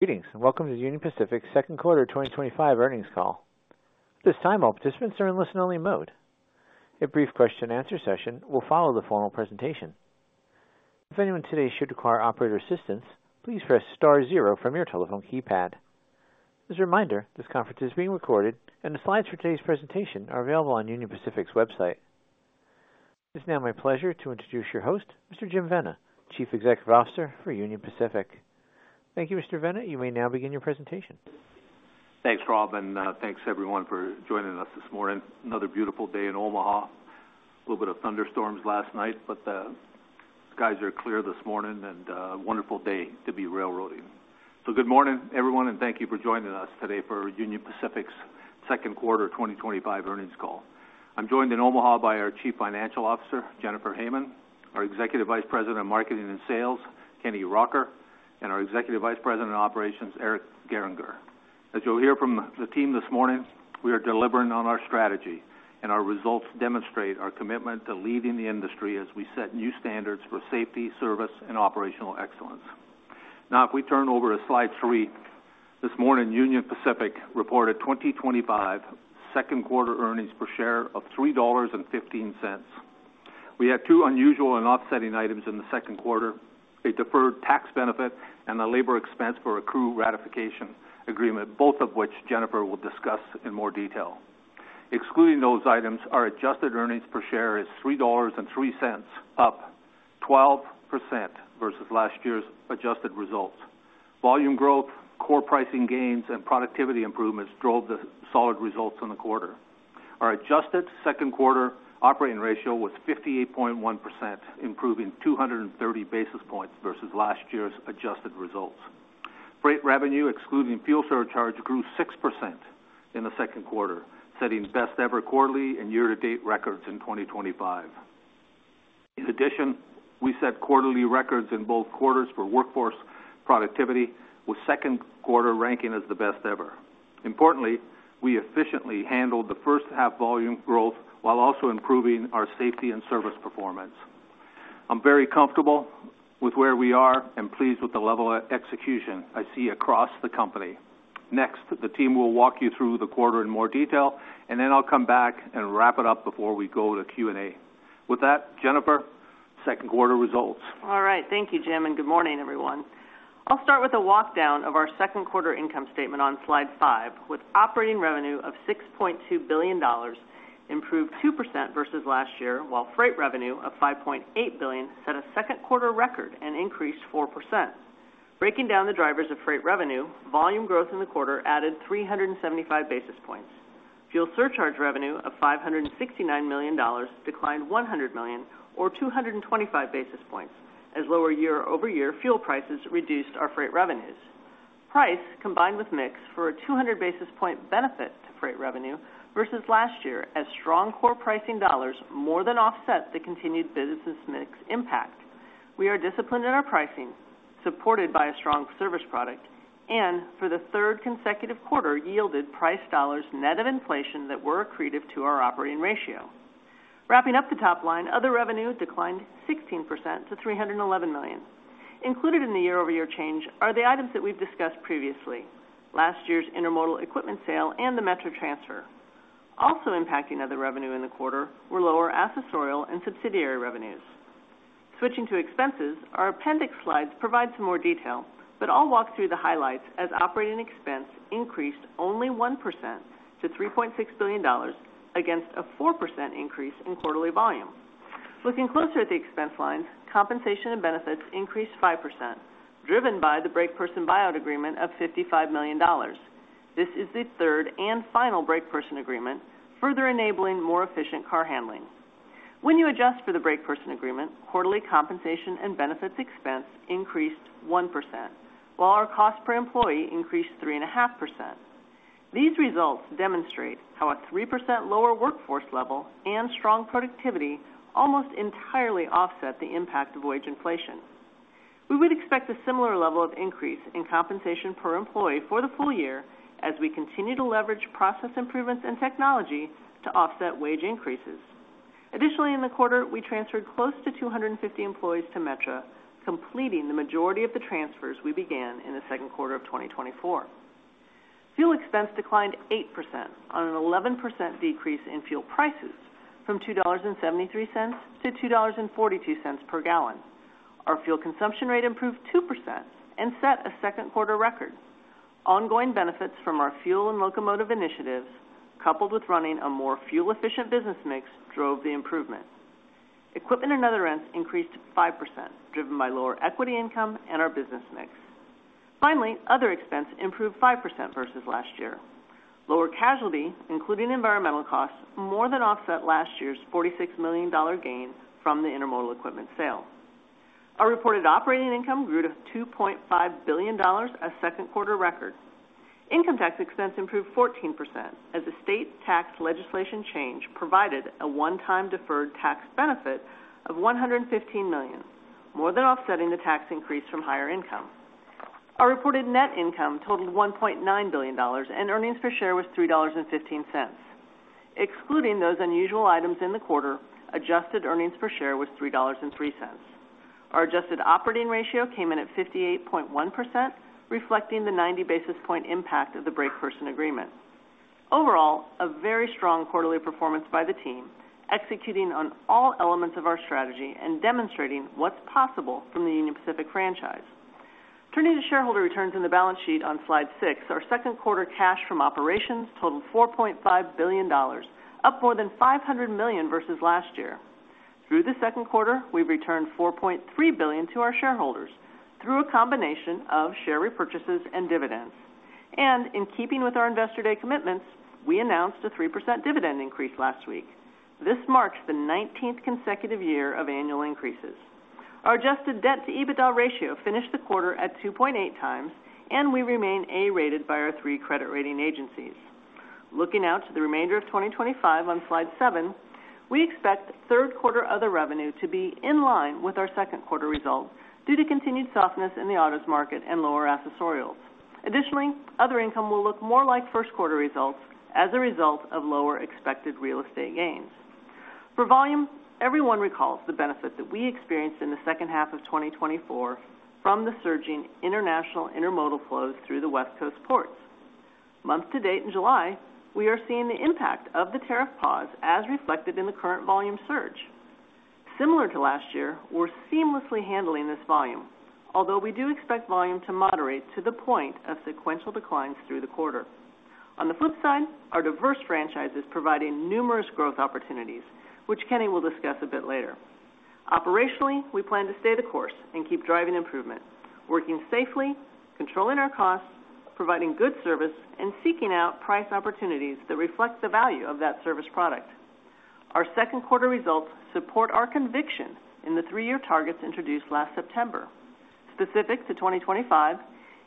Greetings and welcome to the Union Pacific's second quarter 2025 earnings call. At this time, all participants are in listen-only mode. A brief question-and-answer session will follow the formal presentation. If anyone today should require operator assistance, please press star zero from your telephone keypad. As a reminder, this conference is being recorded, and the slides for today's presentation are available on Union Pacific's website. It's now my pleasure to introduce your host, Mr. Jim Vena, Chief Executive Officer for Union Pacific. Thank you, Mr. Vena. You may now begin your presentation. Thanks, Rob, and thanks everyone for joining us this morning. Another beautiful day in Omaha. A little bit of thunderstorms last night, but the skies are clear this morning and a wonderful day to be railroading. Good morning, everyone, and thank you for joining us today for Union Pacific's second quarter 2025 earnings call. I'm joined in Omaha by our Chief Financial Officer, Jennifer Hamann, our Executive Vice President of Marketing and Sales, Kenny Rocker, and our Executive Vice President of Operations, Eric Gehringer. As you'll hear from the team this morning, we are delivering on our strategy, and our results demonstrate our commitment to leading the industry as we set new standards for safety, service, and operational excellence. Now, if we turn over to slide three, this morning, Union Pacific reported 2025 second quarter earnings per share of $3.15. We had two unusual and offsetting items in the second quarter: a deferred tax benefit and a labor expense for a crew ratification agreement, both of which Jennifer will discuss in more detail. Excluding those items, our adjusted earnings per share is $3.03, up 12% versus last year's adjusted results. Volume growth, core pricing gains, and productivity improvements drove the solid results in the quarter. Our adjusted second quarter operating ratio was 58.1%, improving 230 basis points versus last year's adjusted results. Freight revenue, excluding fuel surcharge, grew 6% in the second quarter, setting best-ever quarterly and year-to-date records in 2025. In addition, we set quarterly records in both quarters for workforce productivity, with second quarter ranking as the best ever. Importantly, we efficiently handled the first-half volume growth while also improving our safety and service performance. I'm very comfortable with where we are and pleased with the level of execution I see across the company. Next, the team will walk you through the quarter in more detail, and then I'll come back and wrap it up before we go to Q&A. With that, Jennifer, second quarter results. All right. Thank you, Jim, and good morning, everyone. I'll start with a walkdown of our second quarter income statement on slide five, with operating revenue of $6.2 billion. Improved 2% versus last year, while freight revenue of $5.8 billion set a second quarter record and increased 4%. Breaking down the drivers of freight revenue, volume growth in the quarter added 375 basis points. Fuel surcharge revenue of $569 million declined $100 million, or 225 basis points, as lower year-over-year fuel prices reduced our freight revenues. Price, combined with mix, for a 200 basis point benefit to freight revenue versus last year, as strong core pricing dollars more than offset the continued business mix impact. We are disciplined in our pricing, supported by a strong service product, and for the third consecutive quarter, yielded price dollars net of inflation that were accretive to our operating ratio. Wrapping up the top line, other revenue declined 16% to $311 million. Included in the year-over-year change are the items that we've discussed previously: last year's intermodal equipment sale and the metro transfer. Also impacting other revenue in the quarter were lower access oil and subsidiary revenues. Switching to expenses, our appendix slides provide some more detail, but I'll walk through the highlights as operating expense increased only 1% to $3.6 billion against a 4% increase in quarterly volume. Looking closer at the expense lines, compensation and benefits increased 5%, driven by the break person buyout agreement of $55 million. This is the third and final break person agreement, further enabling more efficient car handling. When you adjust for the break person agreement, quarterly compensation and benefits expense increased 1%, while our cost per employee increased 3.5%. These results demonstrate how a 3% lower workforce level and strong productivity almost entirely offset the impact of wage inflation. We would expect a similar level of increase in compensation per employee for the full year as we continue to leverage process improvements and technology to offset wage increases. Additionally, in the quarter, we transferred close to 250 employees to metro, completing the majority of the transfers we began in the second quarter of 2024. Fuel expense declined 8% on an 11% decrease in fuel prices from $2.73 to $2.42 per gallon. Our fuel consumption rate improved 2% and set a second quarter record. Ongoing benefits from our fuel and locomotive initiatives, coupled with running a more fuel-efficient business mix, drove the improvement. Equipment and other rents increased 5%, driven by lower equity income and our business mix. Finally, other expense improved 5% versus last year. Lower casualty, including environmental costs, more than offset last year's $46 million gain from the intermodal equipment sale. Our reported operating income grew to $2.5 billion, a second quarter record. Income tax expense improved 14% as the state tax legislation change provided a one-time deferred tax benefit of $115 million, more than offsetting the tax increase from higher income. Our reported net income totaled $1.9 billion, and earnings per share was $3.15. Excluding those unusual items in the quarter, adjusted earnings per share was $3.03. Our adjusted operating ratio came in at 58.1%, reflecting the 90 basis point impact of the break person agreement. Overall, a very strong quarterly performance by the team, executing on all elements of our strategy and demonstrating what's possible from the Union Pacific franchise. Turning to shareholder returns in the balance sheet on slide six, our second quarter cash from operations totaled $4.5 billion, up more than $500 million versus last year. Through the second quarter, we've returned $4.3 billion to our shareholders through a combination of share repurchases and dividends. In keeping with our Investor Day commitments, we announced a 3% dividend increase last week. This marks the 19th consecutive year of annual increases. Our adjusted debt to EBITDA ratio finished the quarter at 2.8 times, and we remain A-rated by our three credit rating agencies. Looking out to the remainder of 2025 on slide seven, we expect third quarter other revenue to be in line with our second quarter result due to continued softness in the autos market and lower accessorials. Additionally, other income will look more like first quarter results as a result of lower expected real estate gains. For volume, everyone recalls the benefit that we experienced in the second half of 2024 from the surging international intermodal flows through the West Coast ports. Month to date in July, we are seeing the impact of the tariff pause as reflected in the current volume surge. Similar to last year, we're seamlessly handling this volume, although we do expect volume to moderate to the point of sequential declines through the quarter. On the flip side, our diverse franchises provide numerous growth opportunities, which Kenny will discuss a bit later. Operationally, we plan to stay the course and keep driving improvement, working safely, controlling our costs, providing good service, and seeking out price opportunities that reflect the value of that service product. Our second quarter results support our conviction in the three-year targets introduced last September. Specific to 2025,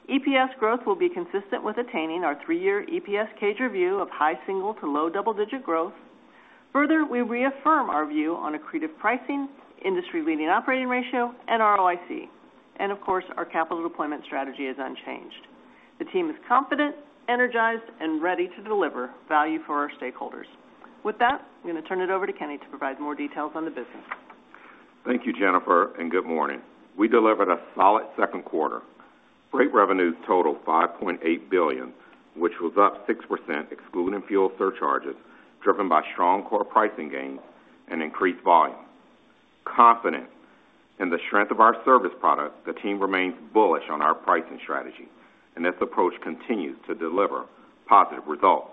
EPS growth will be consistent with attaining our three-year EPS cage review of high single to low double-digit growth. Further, we reaffirm our view on accretive pricing, industry-leading operating ratio, and ROIC. Of course, our capital deployment strategy is unchanged. The team is confident, energized, and ready to deliver value for our stakeholders. With that, I'm going to turn it over to Kenny to provide more details on the business. Thank you, Jennifer, and good morning. We delivered a solid second quarter. Freight revenue totaled $5.8 billion, which was up 6% excluding fuel surcharges, driven by strong core pricing gains and increased volume. Confident in the strength of our service product, the team remains bullish on our pricing strategy, and this approach continues to deliver positive results.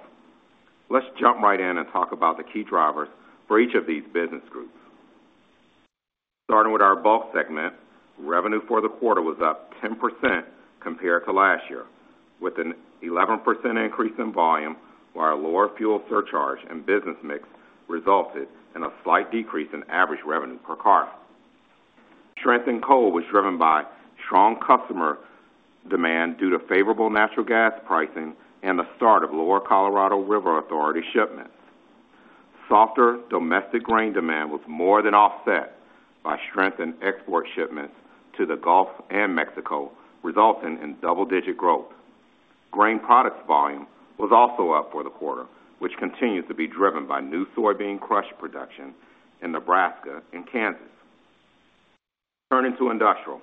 Let's jump right in and talk about the key drivers for each of these business groups. Starting with our bulk segment, revenue for the quarter was up 10% compared to last year, with an 11% increase in volume, while lower fuel surcharge and business mix resulted in a slight decrease in average revenue per car. Strength in coal was driven by strong customer demand due to favorable natural gas pricing and the start of Lower Colorado River Authority shipment. Softer domestic grain demand was more than offset by strength in export shipments to the Gulf and Mexico, resulting in double-digit growth. Grain products volume was also up for the quarter, which continues to be driven by new soybean crush production in Nebraska and Kansas. Turning to industrial,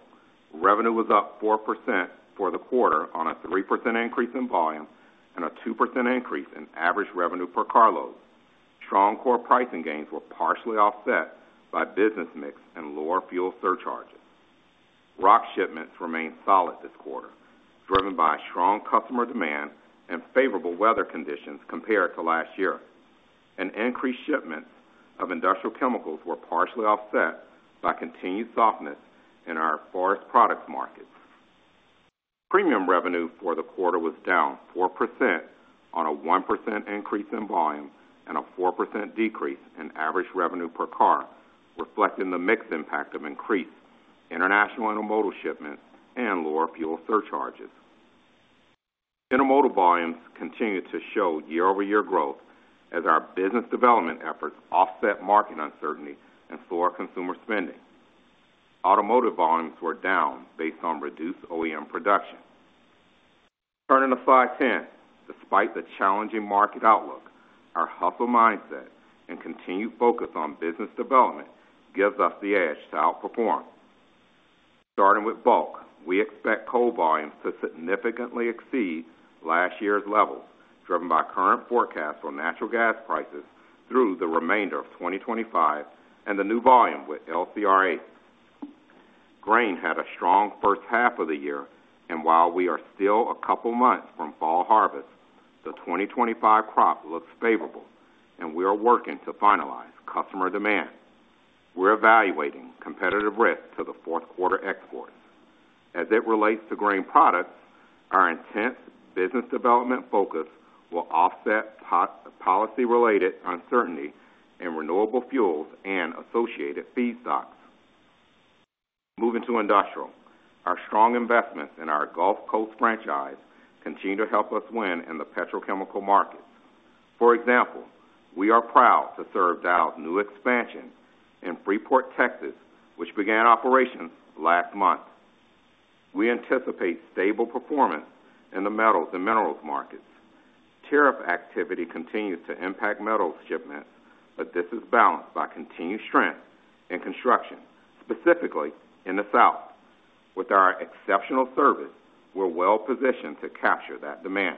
revenue was up 4% for the quarter on a 3% increase in volume and a 2% increase in average revenue per carload. Strong core pricing gains were partially offset by business mix and lower fuel surcharges. Rock shipments remained solid this quarter, driven by strong customer demand and favorable weather conditions compared to last year. An increased shipment of industrial chemicals was partially offset by continued softness in our forest products market. Premium revenue for the quarter was down 4% on a 1% increase in volume and a 4% decrease in average revenue per car, reflecting the mixed impact of increased international intermodal shipments and lower fuel surcharges. Intermodal volumes continued to show year-over-year growth as our business development efforts offset market uncertainty and soar consumer spending. Automotive volumes were down based on reduced OEM production. Turning to slide 10, despite the challenging market outlook, our hustle mindset and continued focus on business development gives us the edge to outperform. Starting with bulk, we expect coal volumes to significantly exceed last year's levels, driven by current forecasts on natural gas prices through the remainder of 2025 and the new volume with LCRA. Grain had a strong first half of the year, and while we are still a couple months from fall harvest, the 2025 crop looks favorable, and we are working to finalize customer demand. We're evaluating competitive risk to the fourth quarter exports. As it relates to grain products, our intense business development focus will offset policy-related uncertainty in renewable fuels and associated feedstocks. Moving to industrial, our strong investments in our Gulf Coast franchise continue to help us win in the petrochemical markets. For example, we are proud to serve out new expansion in Freeport, Texas, which began operations last month. We anticipate stable performance in the metals and minerals markets. Tariff activity continues to impact metals shipments, but this is balanced by continued strength in construction, specifically in the south. With our exceptional service, we're well positioned to capture that demand.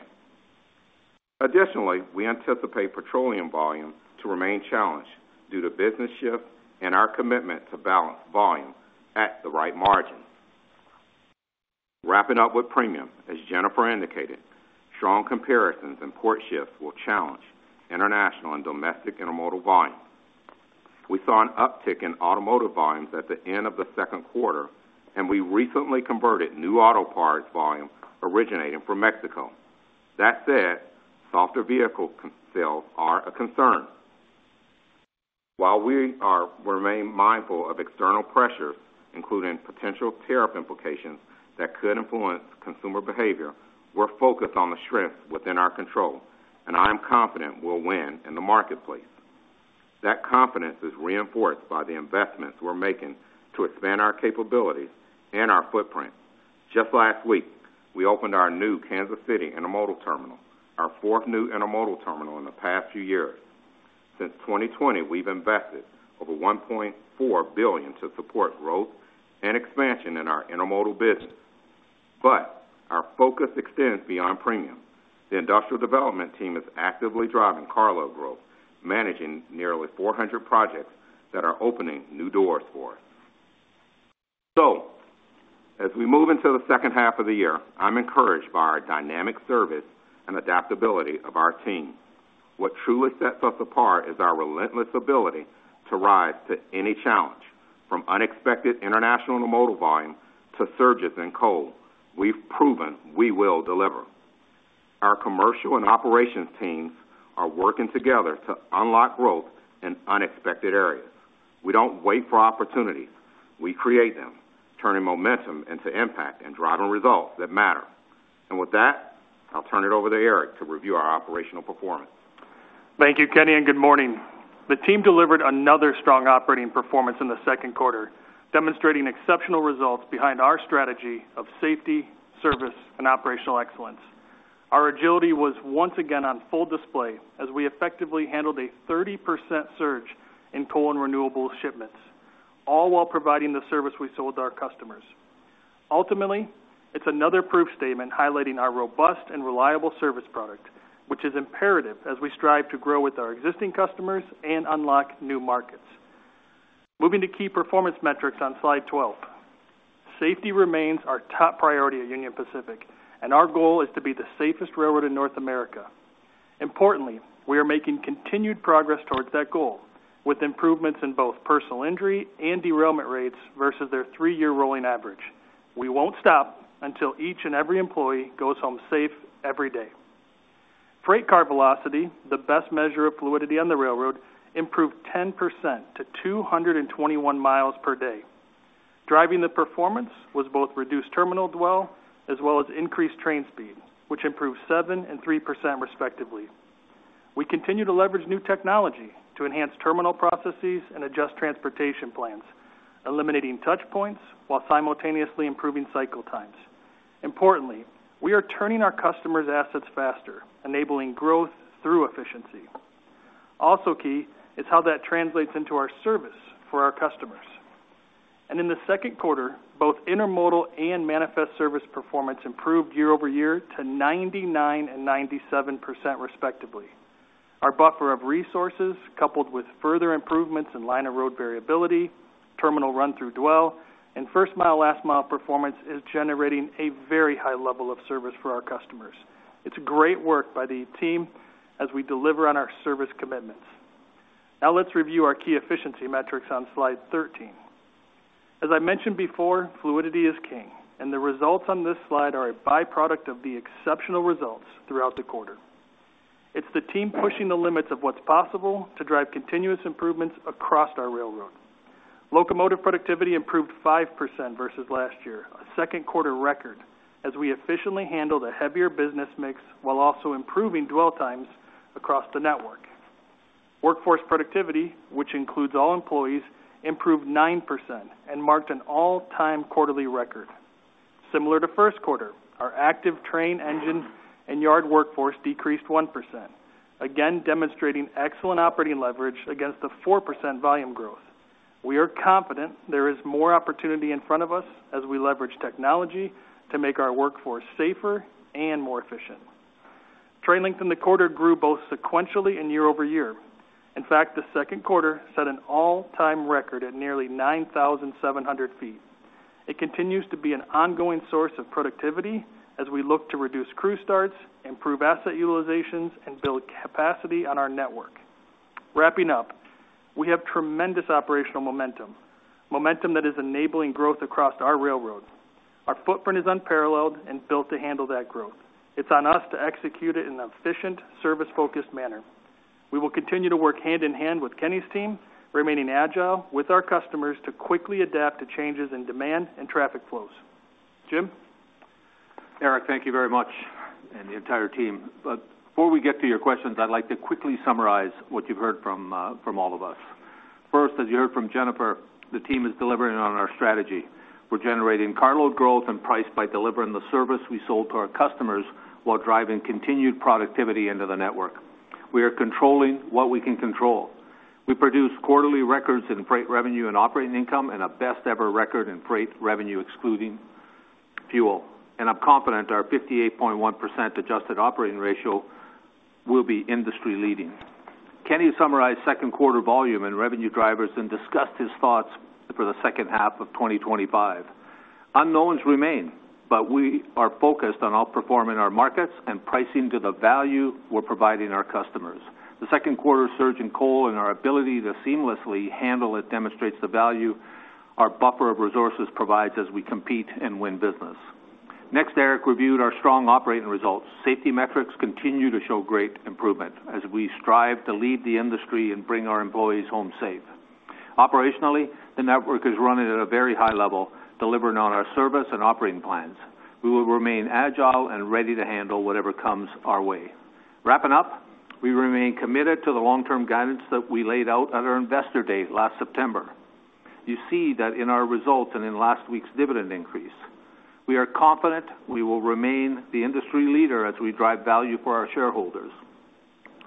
Additionally, we anticipate petroleum volumes to remain challenged due to business shifts and our commitment to balance volume at the right margin. Wrapping up with premium, as Jennifer indicated, strong comparisons and port shifts will challenge international and domestic intermodal volumes. We saw an uptick in automotive volumes at the end of the second quarter, and we recently converted new auto parts volume originating from Mexico. That said, softer vehicle sales are a concern. While we remain mindful of external pressures, including potential tariff implications that could influence consumer behavior, we're focused on the strengths within our control, and I am confident we'll win in the marketplace. That confidence is reinforced by the investments we're making to expand our capabilities and our footprint. Just last week, we opened our new Kansas City intermodal terminal, our fourth new intermodal terminal in the past few years. Since 2020, we've invested over $1.4 billion to support growth and expansion in our intermodal business. Our focus extends beyond premium. The industrial development team is actively driving carload growth, managing nearly 400 projects that are opening new doors for us. As we move into the second half of the year, I'm encouraged by our dynamic service and adaptability of our team. What truly sets us apart is our relentless ability to rise to any challenge. From unexpected international intermodal volume to surges in coal, we've proven we will deliver. Our commercial and operations teams are working together to unlock growth in unexpected areas. We don't wait for opportunities; we create them, turning momentum into impact and driving results that matter. With that, I'll turn it over to Eric to review our operational performance. Thank you, Kenny, and good morning. The team delivered another strong operating performance in the second quarter, demonstrating exceptional results behind our strategy of safety, service, and operational excellence. Our agility was once again on full display as we effectively handled a 30% surge in coal and renewable shipments, all while providing the service we sold to our customers. Ultimately, it is another proof statement highlighting our robust and reliable service product, which is imperative as we strive to grow with our existing customers and unlock new markets. Moving to key performance metrics on slide 12. Safety remains our top priority at Union Pacific, and our goal is to be the safest railroad in North America. Importantly, we are making continued progress towards that goal with improvements in both personal injury and derailment rates versus their three-year rolling average. We will not stop until each and every employee goes home safe every day. Freight car velocity, the best measure of fluidity on the railroad, improved 10% to 221 mi per day. Driving the performance was both reduced terminal dwell as well as increased train speed, which improved 7% and 3% respectively. We continue to leverage new technology to enhance terminal processes and adjust transportation plans, eliminating touch points while simultaneously improving cycle times. Importantly, we are turning our customers' assets faster, enabling growth through efficiency. Also key is how that translates into our service for our customers. In the second quarter, both intermodal and manifest service performance improved year-over-year to 99% and 97% respectively. Our buffer of resources, coupled with further improvements in line of road variability, terminal run-through dwell, and first-mile, last-mile performance is generating a very high level of service for our customers. It is great work by the team as we deliver on our service commitments. Now let's review our key efficiency metrics on slide 13. As I mentioned before, fluidity is king, and the results on this slide are a byproduct of the exceptional results throughout the quarter. It is the team pushing the limits of what is possible to drive continuous improvements across our railroad. Locomotive productivity improved 5% versus last year, a second quarter record, as we efficiently handled a heavier business mix while also improving dwell times across the network. Workforce productivity, which includes all employees, improved 9% and marked an all-time quarterly record. Similar to first quarter, our active train, engine, and yard workforce decreased 1%, again demonstrating excellent operating leverage against the 4% volume growth. We are confident there is more opportunity in front of us as we leverage technology to make our workforce safer and more efficient. Train length in the quarter grew both sequentially and year-over-year. In fact, the second quarter set an all-time record at nearly 9,700 ft. It continues to be an ongoing source of productivity as we look to reduce crew starts, improve asset utilizations, and build capacity on our network. Wrapping up, we have tremendous operational momentum, momentum that is enabling growth across our railroad. Our footprint is unparalleled and built to handle that growth. It's on us to execute it in an efficient, service-focused manner. We will continue to work hand in hand with Kenny's team, remaining agile with our customers to quickly adapt to changes in demand and traffic flows. Jim? Eric, thank you very much, and the entire team. Before we get to your questions, I'd like to quickly summarize what you've heard from all of us. First, as you heard from Jennifer, the team is delivering on our strategy. We're generating carload growth and price by delivering the service we sold to our customers while driving continued productivity into the network. We are controlling what we can control. We produced quarterly records in freight revenue and operating income and a best-ever record in freight revenue excluding fuel. I'm confident our 58.1% adjusted operating ratio will be industry-leading. Kenny summarized second quarter volume and revenue drivers and discussed his thoughts for the second half of 2025. Unknowns remain, but we are focused on outperforming our markets and pricing to the value we're providing our customers. The second quarter surge in coal and our ability to seamlessly handle it demonstrates the value our buffer of resources provides as we compete and win business. Next, Eric reviewed our strong operating results. Safety metrics continue to show great improvement as we strive to lead the industry and bring our employees home safe. Operationally, the network is running at a very high level, delivering on our service and operating plans. We will remain agile and ready to handle whatever comes our way. Wrapping up, we remain committed to the long-term guidance that we laid out at our Investor Day last September. You see that in our results and in last week's dividend increase. We are confident we will remain the industry leader as we drive value for our shareholders.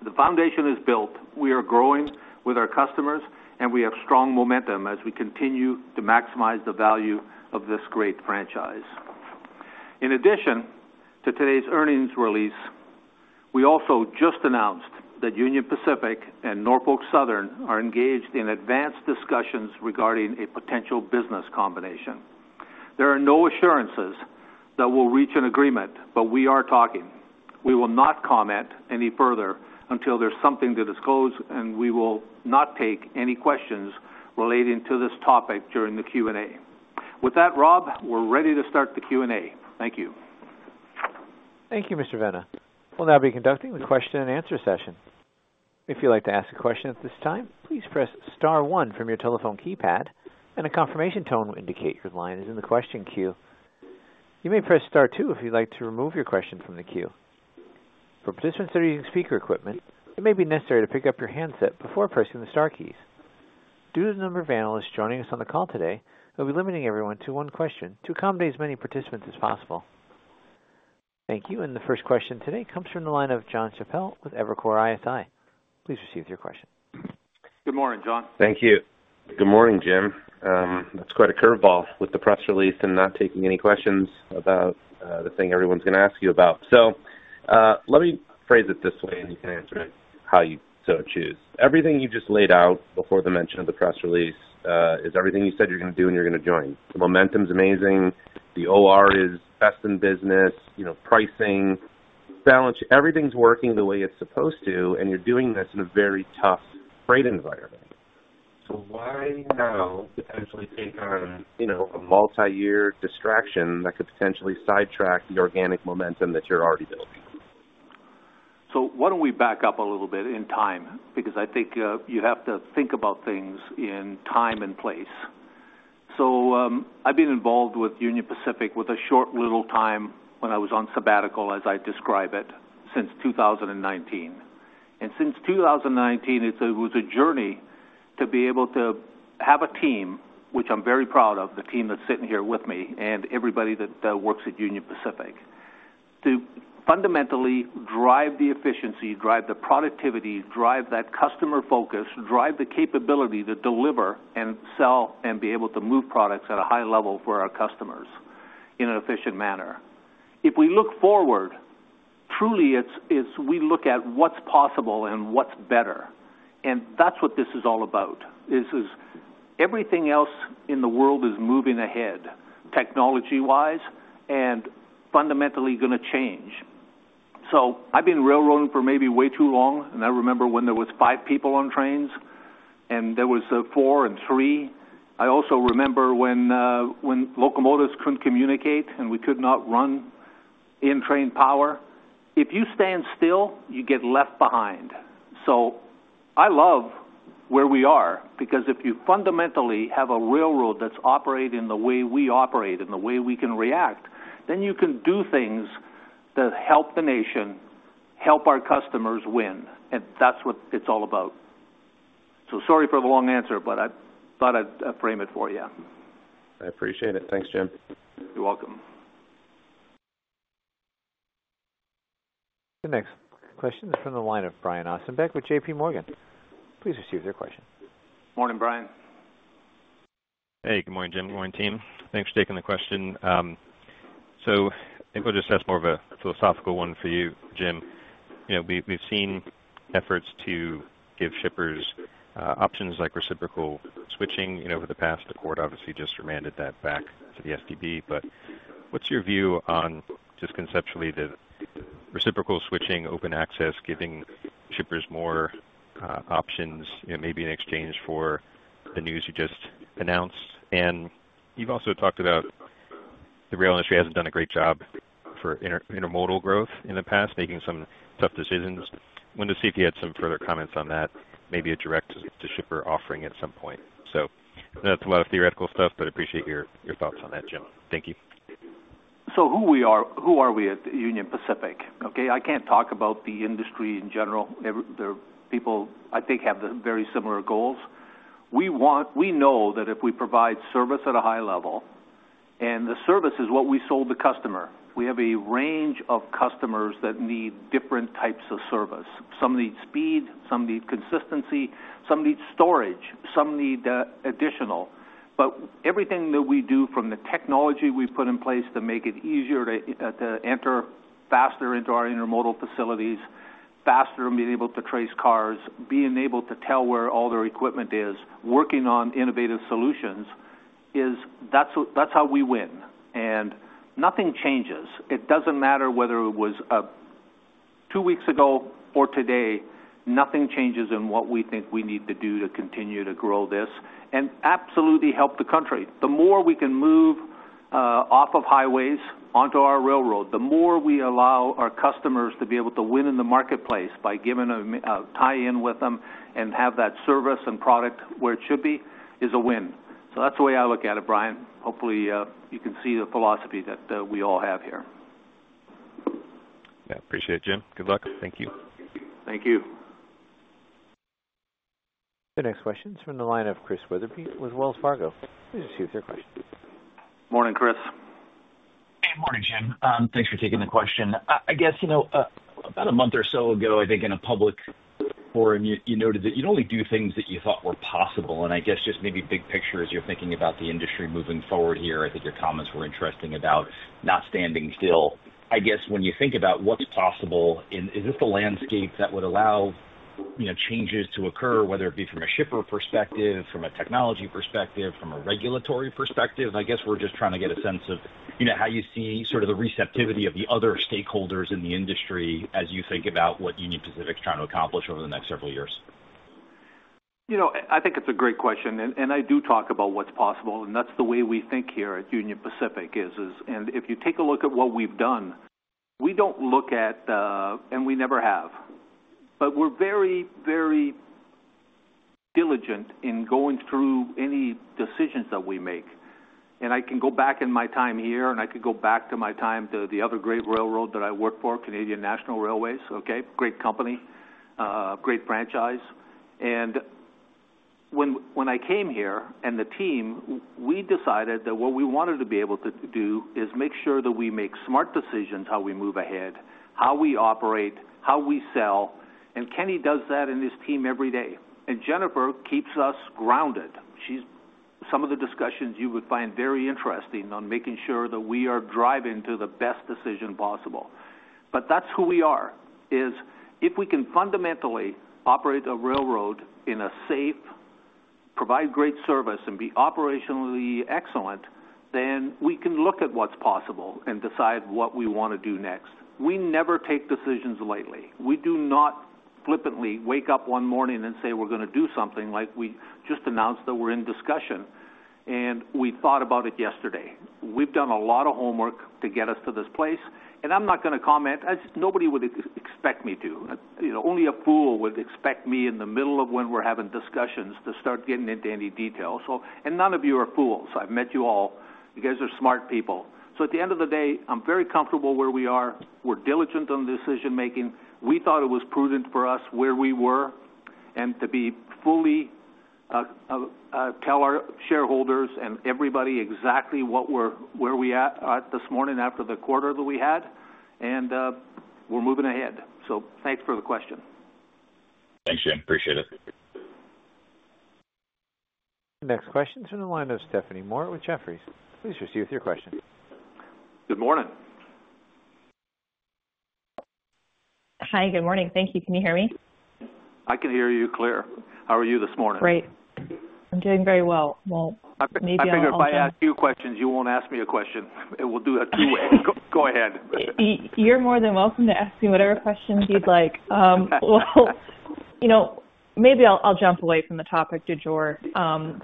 The foundation is built. We are growing with our customers, and we have strong momentum as we continue to maximize the value of this great franchise. In addition to today's earnings release, we also just announced that Union Pacific and Norfolk Southern are engaged in advanced discussions regarding a potential business combination. There are no assurances that we'll reach an agreement, but we are talking. We will not comment any further until there's something to disclose, and we will not take any questions relating to this topic during the Q&A. With that, Rob, we're ready to start the Q&A. Thank you. Thank you, Mr. Vena. We'll now be conducting the question-and-answer session. If you'd like to ask a question at this time, please press star one from your telephone keypad, and a confirmation tone will indicate your line is in the question queue. You may press star two if you'd like to remove your question from the queue. For participants that are using speaker equipment, it my be necessary to pick up your handset before pressing the star keys. Due to the number of analysts joining us on the call today, we'll be limiting everyone to one question to accommodate as many participants as possible. Thank you. The first question today comes from the line of John Chapelle with Evercore ISI. Please proceed with your question. Good morning, John. Thank you. Good morning, Jim. That's quite a curveball with the press release and not taking any questions about the thing everyone's going to ask you about. Let me phrase it this way, and you can answer it how you so choose. Everything you just laid out before the mention of the press release is everything you said you're going to do and you're going to join. The momentum's amazing. The OR is best in business. Pricing, balance sheet, everything's working the way it's supposed to, and you're doing this in a very tough freight environment. Why now potentially take on a multi-year distraction that could potentially sidetrack the organic momentum that you're already building? Why don't we back up a little bit in time? I think you have to think about things in time and place. I've been involved with Union Pacific with a short little time when I was on sabbatical, as I describe it, since 2019. Since 2019, it was a journey to be able to have a team, which I'm very proud of, the team that's sitting here with me and everybody that works at Union Pacific. To fundamentally drive the efficiency, drive the productivity, drive that customer focus, drive the capability to deliver and sell and be able to move products at a high level for our customers in an efficient manner. If we look forward, truly, we look at what's possible and what's better. That's what this is all about. Everything else in the world is moving ahead, technology-wise, and fundamentally going to change. I've been railroading for maybe way too long, and I remember when there were five people on trains and there were four and three. I also remember when locomotives couldn't communicate and we could not run in-train power. If you stand still, you get left behind. I love where we are because if you fundamentally have a railroad that's operating the way we operate and the way we can react, then you can do things that help the nation, help our customers win. That's what it's all about. Sorry for the long answer, but I thought I'd frame it for you. I appreciate it. Thanks, Jim. You're welcome. The next question is from the line of Brian Austin Beck with J.P. Morgan. Please proceed with your question. Morning, Brian. Hey, good morning, Jim. Good morning, team. Thanks for taking the question. I think we'll just ask more of a philosophical one for you, Jim. We've seen efforts to give shippers options like reciprocal switching over the past quarter. Obviously, just remanded that back to the STB. What's your view on just conceptually the reciprocal switching, open access, giving shippers more options, maybe in exchange for the news you just announced? You've also talked about the rail industry hasn't done a great job for intermodal growth in the past, making some tough decisions. I wanted to see if you had some further comments on that, maybe a direct-to-shipper offering at some point. That's a lot of theoretical stuff, but I appreciate your thoughts on that, Jim. Thank you. Who are we at Union Pacific? Okay, I can't talk about the industry in general. The people, I think, have very similar goals. We know that if we provide service at a high level, and the service is what we sold the customer, we have a range of customers that need different types of service. Some need speed, some need consistency, some need storage, some need additional. Everything that we do, from the technology we put in place to make it easier to enter faster into our intermodal facilities, faster in being able to trace cars, being able to tell where all their equipment is, working on innovative solutions, that's how we win. Nothing changes. It doesn't matter whether it was two weeks ago or today, nothing changes in what we think we need to do to continue to grow this and absolutely help the country. The more we can move off of highways onto our railroad, the more we allow our customers to be able to win in the marketplace by giving a tie-in with them and have that service and product where it should be is a win. That's the way I look at it, Brian. Hopefully, you can see the philosophy that we all have here. Yeah, appreciate it, Jim. Good luck. Thank you. Thank you. The next question is from the line of Chris Wetherbee with Wells Fargo. Please proceed with your question. Morning, Chris. Hey, morning, Jim. Thanks for taking the question. I guess about a month or so ago, I think in a public forum, you noted that you'd only do things that you thought were possible. I guess just maybe big picture, as you're thinking about the industry moving forward here, I think your comments were interesting about not standing still. I guess when you think about what's possible, is this the landscape that would allow changes to occur, whether it be from a shipper perspective, from a technology perspective, from a regulatory perspective? I guess we're just trying to get a sense of how you see sort of the receptivity of the other stakeholders in the industry as you think about what Union Pacific's trying to accomplish over the next several years. I think it's a great question. I do talk about what's possible. That's the way we think here at Union Pacific. If you take a look at what we've done, we don't look at the—and we never have—but we're very, very diligent in going through any decisions that we make. I can go back in my time here, and I could go back to my time at the other great railroad that I worked for, Canadian National Railway. Great company. Great franchise. When I came here and the team, we decided that what we wanted to be able to do is make sure that we make smart decisions, how we move ahead, how we operate, how we sell. Kenny does that in his team every day. Jennifer keeps us grounded. She's—some of the discussions you would find very interesting on making sure that we are driving to the best decision possible. That's who we are, is if we can fundamentally operate a railroad in a safe, provide great service, and be operationally excellent, then we can look at what's possible and decide what we want to do next. We never take decisions lightly. We do not flippantly wake up one morning and say we're going to do something like we just announced that we're in discussion, and we thought about it yesterday. We've done a lot of homework to get us to this place. I'm not going to comment as nobody would expect me to. Only a fool would expect me in the middle of when we're having discussions to start getting into any detail. None of you are fools. I've met you all. You guys are smart people. At the end of the day, I'm very comfortable where we are. We're diligent on decision-making. We thought it was prudent for us where we were and to fully tell our shareholders and everybody exactly where we are this morning after the quarter that we had. We're moving ahead. Thanks for the question. Thanks, Jim. Appreciate it. The next question is from the line of Stephanie Moore with Jefferies. Please proceed with your question. Good morning. Hi, good morning. Thank you. Can you hear me? I can hear you clear. How are you this morning? Great. I'm doing very well. Maybe I'll ask. I figure if I ask you questions, you won't ask me a question. It will do a two-way. Go ahead. You're more than welcome to ask me whatever questions you'd like. Maybe I'll jump away from the topic de Jure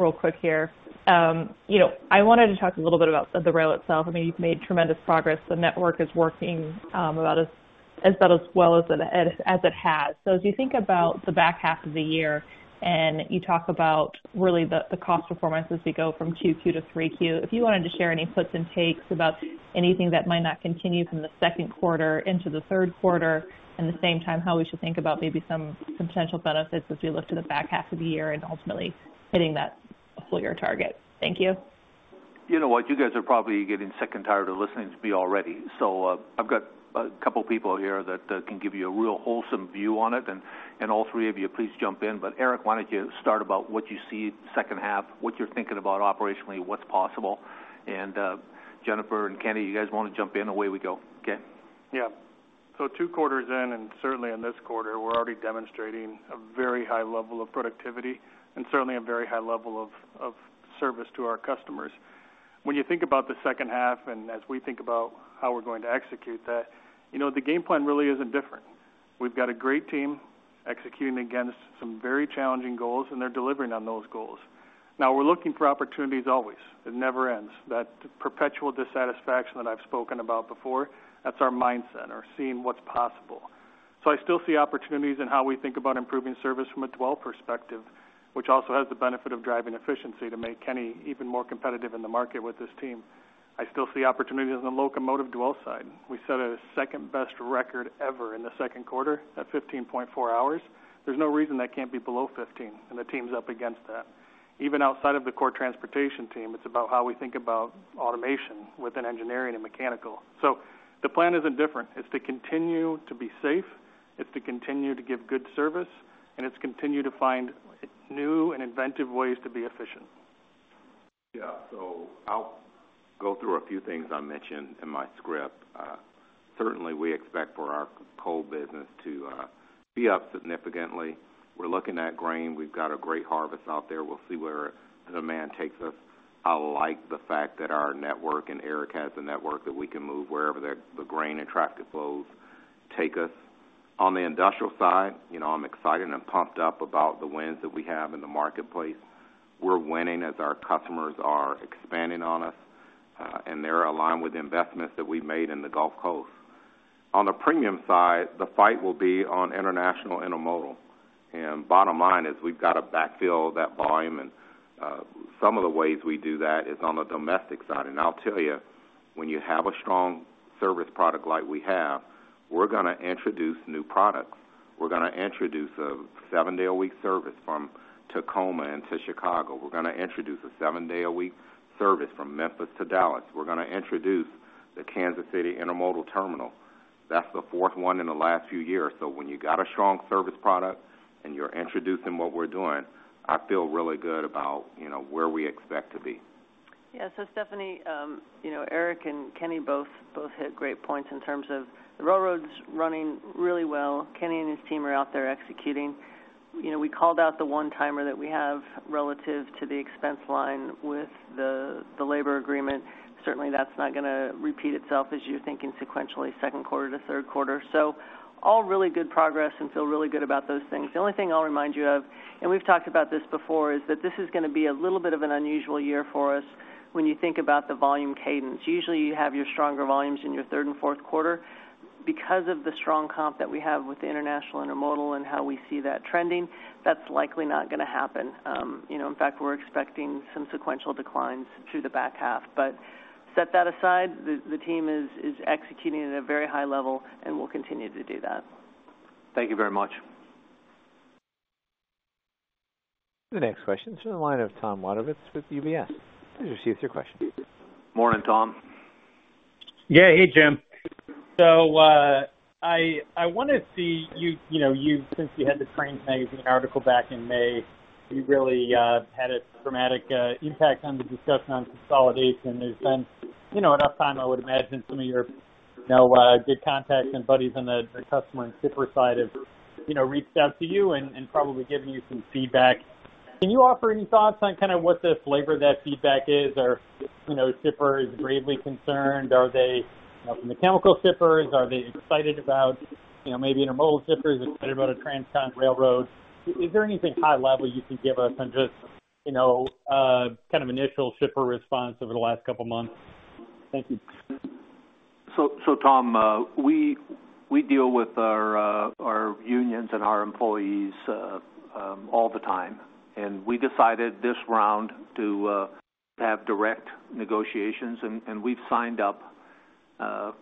real quick here. I wanted to talk a little bit about the rail itself. I mean, you've made tremendous progress. The network is working about as well as it has. As you think about the back half of the year and you talk about really the cost performance as we go from Q2 to 3Q, if you wanted to share any puts and takes about anything that might not continue from the second quarter into the third quarter, and at the same time, how we should think about maybe some potential benefits as we look to the back half of the year and ultimately hitting that full-year target. Thank you. You know what? You guys are probably getting sick and tired of listening to me already. I have a couple of people here that can give you a real wholesome view on it. All three of you, please jump in. Eric, why do you not start about what you see second half, what you are thinking about operationally, what is possible? Jennifer and Kenny, you guys want to jump in? Away we go. Okay. Yeah. Two quarters in, and certainly in this quarter, we're already demonstrating a very high level of productivity and certainly a very high level of service to our customers. When you think about the second half and as we think about how we're going to execute that, the game plan really isn't different. We've got a great team executing against some very challenging goals, and they're delivering on those goals. Now, we're looking for opportunities always. It never ends. That perpetual dissatisfaction that I've spoken about before, that's our mindset or seeing what's possible. I still see opportunities in how we think about improving service from a dwell perspective, which also has the benefit of driving efficiency to make Kenny even more competitive in the market with this team. I still see opportunities in the locomotive dwell side. We set a second-best record ever in the second quarter at 15.4 hours. There's no reason that can't be below 15, and the team's up against that. Even outside of the core transportation team, it's about how we think about automation within engineering and mechanical. The plan isn't different. It's to continue to be safe. It's to continue to give good service, and it's to continue to find new and inventive ways to be efficient. Yeah. I'll go through a few things I mentioned in my script. Certainly, we expect for our coal business to be up significantly. We're looking at grain. We've got a great harvest out there. We'll see where the demand takes us. I like the fact that our network, and Eric has a network that we can move wherever the grain and traffic flows take us. On the industrial side, I'm excited and pumped up about the wins that we have in the marketplace. We're winning as our customers are expanding on us. And they're aligned with the investments that we've made in the Gulf Coast. On the premium side, the fight will be on international intermodal. Bottom line is we've got to backfill that volume. Some of the ways we do that is on the domestic side. I'll tell you, when you have a strong service product like we have, we're going to introduce new products. We're going to introduce a seven-day-a-week service from Tacoma into Chicago. We're going to introduce a seven-day-a-week service from Memphis to Dallas. We're going to introduce the Kansas City intermodal terminal. That's the fourth one in the last few years. When you got a strong service product and you're introducing what we're doing, I feel really good about where we expect to be. Yeah. So Stephanie. Eric and Kenny both hit great points in terms of the railroad's running really well. Kenny and his team are out there executing. We called out the one-timer that we have relative to the expense line with the labor agreement. Certainly, that's not going to repeat itself as you're thinking sequentially second quarter to third quarter. All really good progress and feel really good about those things. The only thing I'll remind you of, and we've talked about this before, is that this is going to be a little bit of an unusual year for us when you think about the volume cadence. Usually, you have your stronger volumes in your third and fourth quarter. Because of the strong comp that we have with the international intermodal and how we see that trending, that's likely not going to happen. In fact, we're expecting some sequential declines through the back half. Set that aside, the team is executing at a very high level, and we'll continue to do that. Thank you very much. The next question is from the line of Tom Wadewitz with UBS. Please proceed with your question. Morning, Tom. Yeah. Hey, Jim. I want to see you since you had the Trains Magazine article back in May, you really had a dramatic impact on the discussion on consolidation. There's been enough time, I would imagine, some of your good contacts and buddies on the customer and shipper side have reached out to you and probably given you some feedback. Can you offer any thoughts on kind of what the flavor of that feedback is? Are shippers gravely concerned? Are they mechanical shippers? Are they excited about maybe intermodal shippers excited about a transcontinental railroad? Is there anything high-level you can give us on just kind of initial shipper response over the last couple of months? Thank you. Tom, we deal with our unions and our employees all the time. We decided this round to have direct negotiations, and we've signed up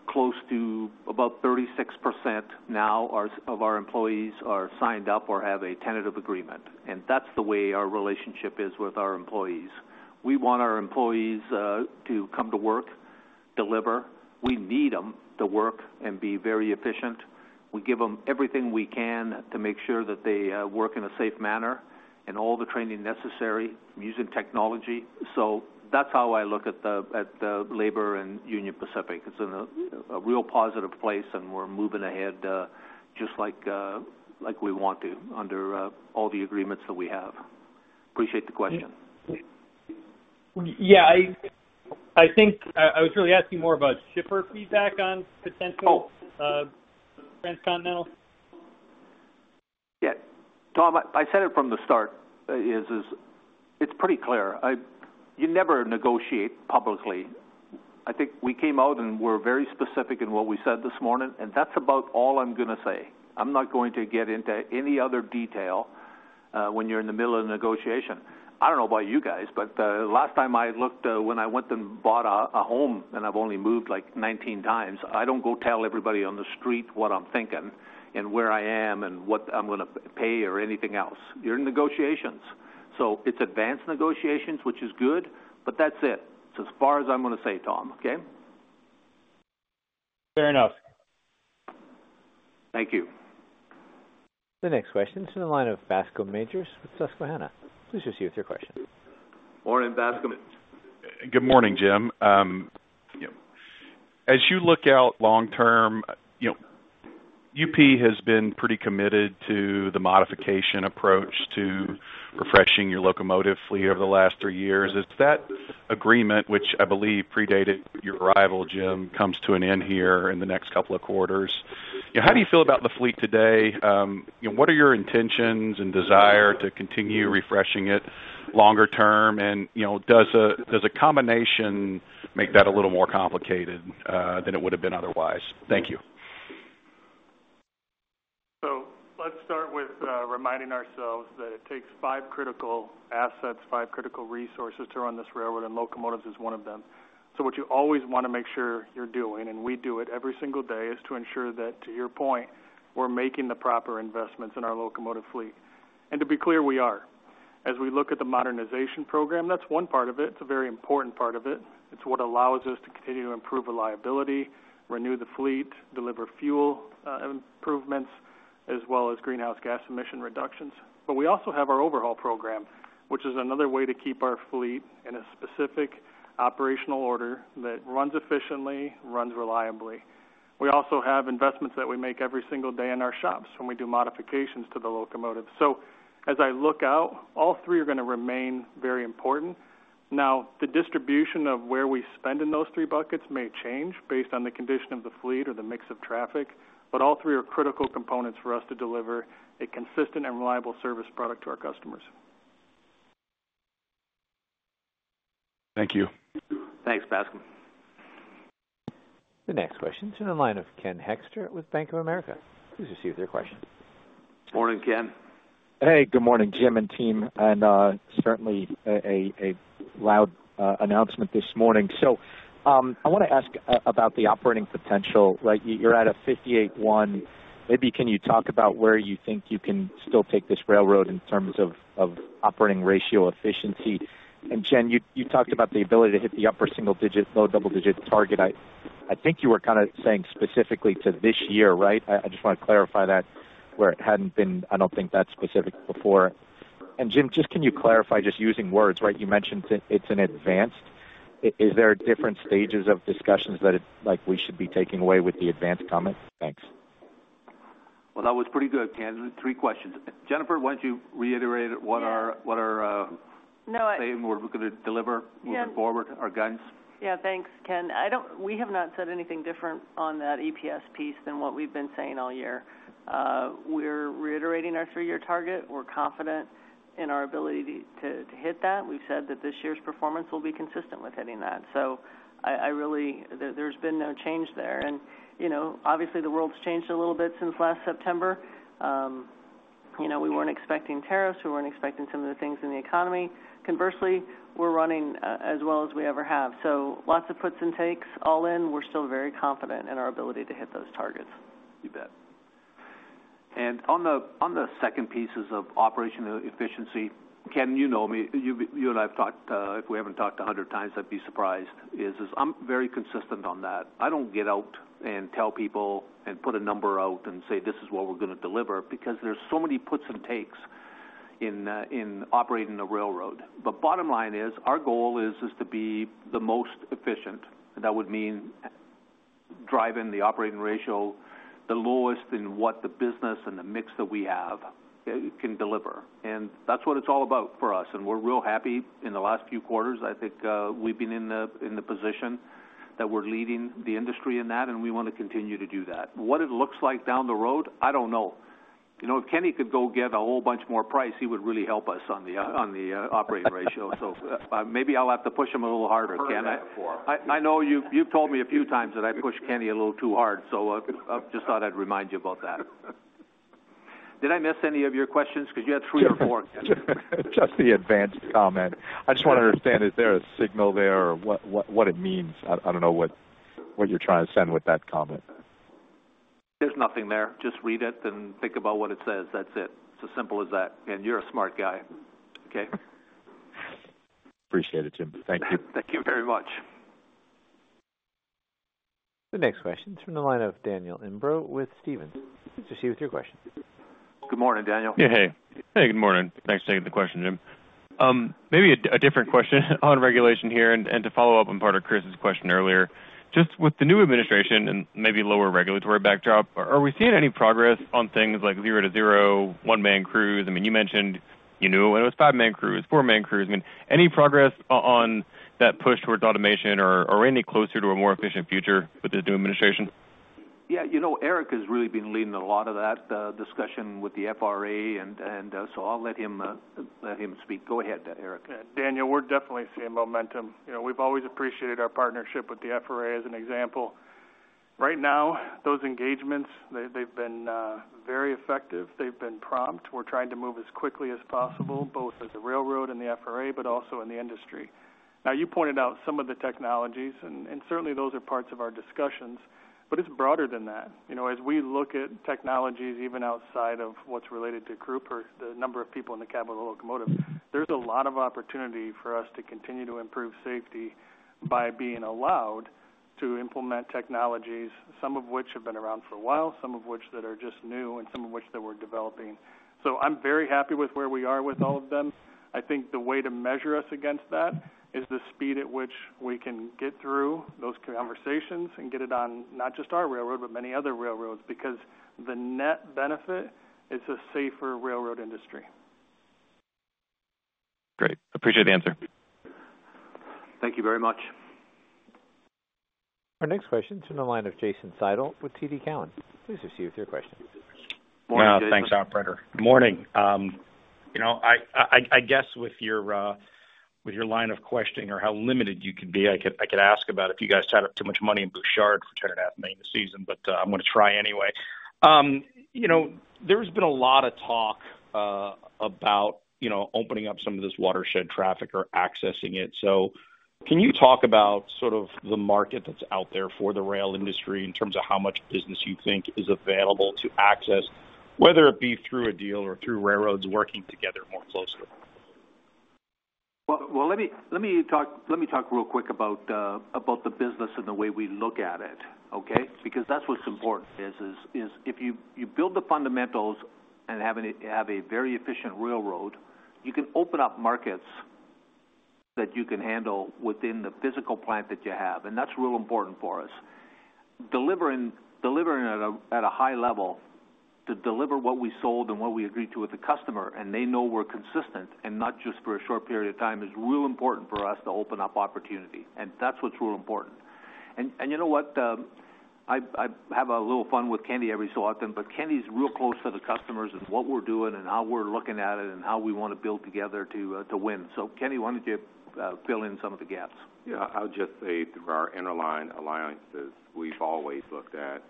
close to about 36% now of our employees who are signed up or have a tentative agreement. That's the way our relationship is with our employees. We want our employees to come to work, deliver. We need them to work and be very efficient. We give them everything we can to make sure that they work in a safe manner and all the training necessary using technology. That's how I look at the labor in Union Pacific. It's in a real positive place, and we're moving ahead just like we want to under all the agreements that we have. Appreciate the question. Yeah. I think I was really asking more about shipper feedback on potential transcontinental. Yeah. Tom, I said it from the start. It's pretty clear. You never negotiate publicly. I think we came out, and we're very specific in what we said this morning. That's about all I'm going to say. I'm not going to get into any other detail. When you're in the middle of a negotiation, I don't know about you guys, but the last time I looked when I went and bought a home, and I've only moved like 19 times, I don't go tell everybody on the street what I'm thinking and where I am and what I'm going to pay or anything else. You're in negotiations. It's advanced negotiations, which is good, but that's it. It's as far as I'm going to say, Tom. Okay? Fair enough. Thank you. The next question is from the line of Bascome Majors with Susquehanna. Please proceed with your question. Morning, Vasco. Good morning, Jim. As you look out long-term, UP has been pretty committed to the modification approach to refreshing your locomotive fleet over the last three years. That agreement, which I believe predated your arrival, Jim, comes to an end here in the next couple of quarters. How do you feel about the fleet today? What are your intentions and desire to continue refreshing it longer term? Does a combination make that a little more complicated than it would have been otherwise? Thank you. Let's start with reminding ourselves that it takes five critical assets, five critical resources to run this railroad, and locomotives is one of them. What you always want to make sure you're doing, and we do it every single day, is to ensure that, to your point, we're making the proper investments in our locomotive fleet. To be clear, we are. As we look at the modernization program, that's one part of it. It's a very important part of it. It's what allows us to continue to improve reliability, renew the fleet, deliver fuel improvements, as well as greenhouse gas emission reductions. We also have our overhaul program, which is another way to keep our fleet in a specific operational order that runs efficiently, runs reliably. We also have investments that we make every single day in our shops when we do modifications to the locomotive. As I look out, all three are going to remain very important. Now, the distribution of where we spend in those three buckets may change based on the condition of the fleet or the mix of traffic, but all three are critical components for us to deliver a consistent and reliable service product to our customers. Thank you. Thanks, Bascom. The next question is from the line of Ken Hoexter with Bank of America. Please proceed with your question. Morning, Ken. Hey, good morning, Jim and team. Certainly a loud announcement this morning. I want to ask about the operating potential. You're at a 58.1. Maybe can you talk about where you think you can still take this railroad in terms of operating ratio efficiency? And Jen, you talked about the ability to hit the upper single-digit, low double-digit target. I think you were kind of saying specifically to this year, right? I just want to clarify that where it hadn't been. I don't think that's specific before. Jim, just can you clarify just using words, right? You mentioned it's an advanced. Is there different stages of discussions that we should be taking away with the advanced comment? Thanks. That was pretty good, Ken. Three questions. Jennifer, why don't you reiterate what our same we're going to deliver moving forward our guns? Yeah. Thanks, Ken. We have not said anything different on that EPS piece than what we've been saying all year. We're reiterating our three-year target. We're confident in our ability to hit that. We've said that this year's performance will be consistent with hitting that. There's been no change there. Obviously, the world's changed a little bit since last September. We weren't expecting tariffs. We weren't expecting some of the things in the economy. Conversely, we're running as well as we ever have. Lots of puts and takes all in. We're still very confident in our ability to hit those targets. You bet. On the second pieces of operational efficiency, Ken, you know me. You and I have talked. If we have not talked a hundred times, I would be surprised. I am very consistent on that. I do not get out and tell people and put a number out and say, "This is what we are going to deliver," because there are so many puts and takes in operating a railroad. Bottom line is our goal is to be the most efficient. That would mean driving the operating ratio the lowest in what the business and the mix that we have can deliver. That is what it is all about for us. We are real happy in the last few quarters. I think we have been in the position that we are leading the industry in that, and we want to continue to do that. What it looks like down the road, I do not know. If Kenny could go get a whole bunch more price, he would really help us on the operating ratio. Maybe I will have to push him a little harder, cannot I? I know you have told me a few times that I push Kenny a little too hard. I just thought I would remind you about that. Did I miss any of your questions? Because you had three or four. Just the advanced comment. I just want to understand, is there a signal there or what it means? I don't know what you're trying to send with that comment. There's nothing there. Just read it and think about what it says. That's it. It's as simple as that. And you're a smart guy. Okay? Appreciate it, Jim. Thank you. Thank you very much. The next question is from the line of Daniel Imbro with Stephens. Please proceed with your question. Good morning, Daniel. Hey. Hey, good morning. Thanks for taking the question, Jim. Maybe a different question on regulation here and to follow up on part of Chris's question earlier. Just with the new administration and maybe lower regulatory backdrop, are we seeing any progress on things like zero-to-zero, one-man crews? I mean, you mentioned you knew when it was five-man crews, four-man crews. I mean, any progress on that push towards automation or any closer to a more efficient future with this new administration? Yeah. Eric has really been leading a lot of that discussion with the FRA. I'll let him speak. Go ahead, Eric. Daniel, we're definitely seeing momentum. We've always appreciated our partnership with the FRA as an example. Right now, those engagements, they've been very effective. They've been prompt. We're trying to move as quickly as possible, both as a railroad and the FRA, but also in the industry. You pointed out some of the technologies, and certainly those are parts of our discussions, but it's broader than that. As we look at technologies even outside of what's related to group or the number of people in the cab of a locomotive, there's a lot of opportunity for us to continue to improve safety by being allowed to implement technologies, some of which have been around for a while, some of which are just new, and some of which we're developing. I'm very happy with where we are with all of them. I think the way to measure us against that is the speed at which we can get through those conversations and get it on not just our railroad, but many other railroads because the net benefit is a safer railroad industry. Great. Appreciate the answer. Thank you very much. Our next question is from the line of Jason Seidl with TD Cowen. Please proceed with your question. Morning, thanks, operator. Morning. I guess with your line of questioning or how limited you could be, I could ask about if you guys had too much money in Bouchard for $10.5 million a season, but I'm going to try anyway. There's been a lot of talk about opening up some of this watershed traffic or accessing it. Can you talk about sort of the market that's out there for the rail industry in terms of how much business you think is available to access, whether it be through a deal or through railroads working together more closely? Let me talk real quick about the business and the way we look at it, okay? Because that's what's important. If you build the fundamentals and have a very efficient railroad, you can open up markets that you can handle within the physical plant that you have. That's real important for us. Delivering at a high level to deliver what we sold and what we agreed to with the customer, and they know we're consistent and not just for a short period of time, is real important for us to open up opportunity. That's what's real important. You know what? I have a little fun with Kenny every so often, but Kenny's real close to the customers and what we're doing and how we're looking at it and how we want to build together to win. Kenny, why don't you fill in some of the gaps? Yeah. I'll just say through our interline alliances, we've always looked at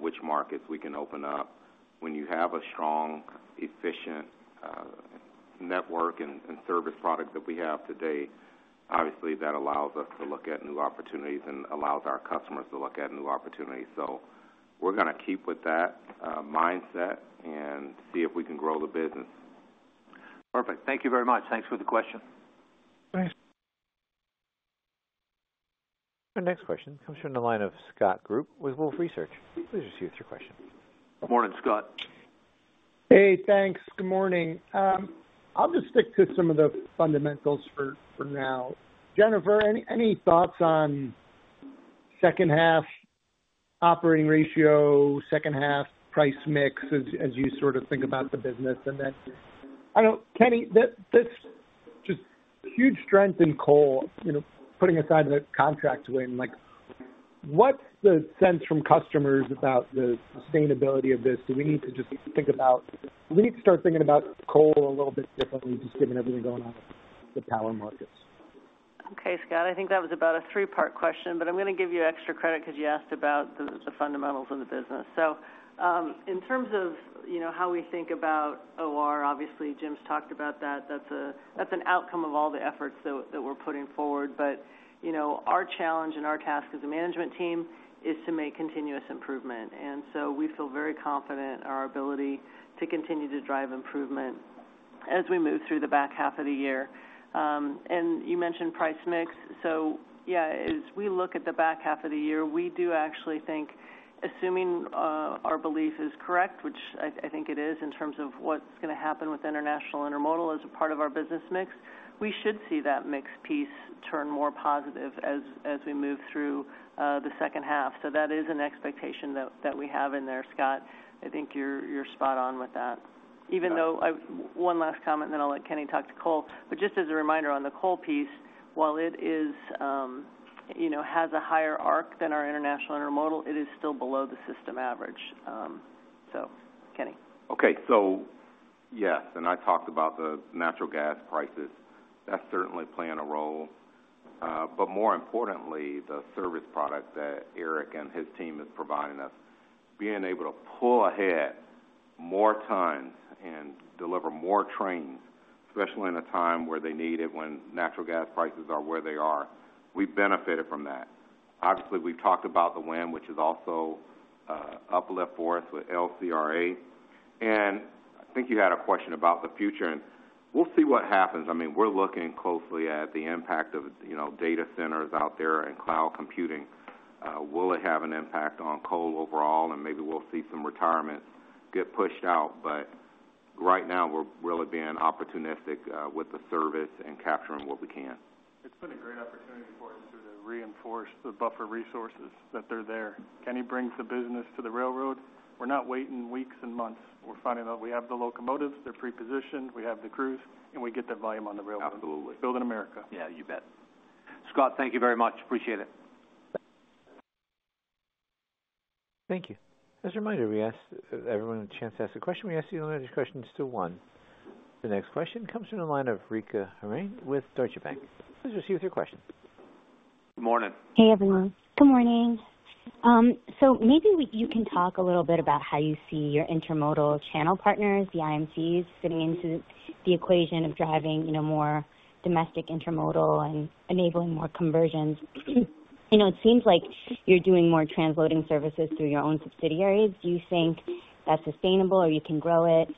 which markets we can open up. When you have a strong, efficient network and service product that we have today, obviously that allows us to look at new opportunities and allows our customers to look at new opportunities. We're going to keep with that mindset and see if we can grow the business. Perfect. Thank you very much. Thanks for the question. Thanks. The next question comes from the line of Scott Group with Wolfe Research. Please proceed with your question. Morning, Scott. Hey, thanks. Good morning. I'll just stick to some of the fundamentals for now. Jennifer, any thoughts on second-half operating ratio, second-half price mix as you sort of think about the business? And then, I don't know, Kenny, there's just huge strength in coal, putting aside the contract win. What's the sense from customers about the sustainability of this? Do we need to just think about, we need to start thinking about coal a little bit differently just given everything going on with the power markets? Okay, Scott. I think that was about a three-part question, but I'm going to give you extra credit because you asked about the fundamentals of the business. In terms of how we think about OR, obviously, Jim's talked about that. That's an outcome of all the efforts that we're putting forward. Our challenge and our task as a management team is to make continuous improvement. We feel very confident in our ability to continue to drive improvement as we move through the back half of the year. You mentioned price mix. As we look at the back half of the year, we do actually think, assuming our belief is correct, which I think it is in terms of what's going to happen with International Intermodal as a part of our business mix, we should see that mix piece turn more positive as we move through the second half. That is an expectation that we have in there, Scott. I think you're spot on with that. One last comment, then I'll let Kenny talk to coal. Just as a reminder on the coal piece, while it has a higher arc than our International Intermodal, it is still below the system average. So, Kenny. Okay. Yes. And I talked about the natural gas prices. That's certainly playing a role. More importantly, the service product that Eric and his team are providing us, being able to pull ahead more tons and deliver more trains, especially in a time where they need it when natural gas prices are where they are, we benefited from that. Obviously, we've talked about the win, which is also uplift for us with LCRA. I think you had a question about the future. We'll see what happens. I mean, we're looking closely at the impact of data centers out there and cloud computing. Will it have an impact on coal overall? Maybe we'll see some retirement get pushed out. Right now, we're really being opportunistic with the service and capturing what we can. It's been a great opportunity for us to reinforce the buffer of resources that they're there. Kenny brings the business to the railroad. We're not waiting weeks and months. We're finding out we have the locomotives, they're pre-positioned, we have the crews, and we get the volume on the railroad. Building America. Absolutely. Yeah, you bet. Scott, thank you very much. Appreciate it. Thank you. As a reminder, we ask everyone a chance to ask a question. We asked the only other question to one. The next question comes from the line of Rika Harnain with Deutsche Bank. Please proceed with your question. Good morning. Hey, everyone. Good morning. Maybe you can talk a little bit about how you see your intermodal channel partners, the IMCs, fitting into the equation of driving more domestic intermodal and enabling more conversions. It seems like you're doing more transloading services through your own subsidiaries. Do you think that's sustainable or you can grow it?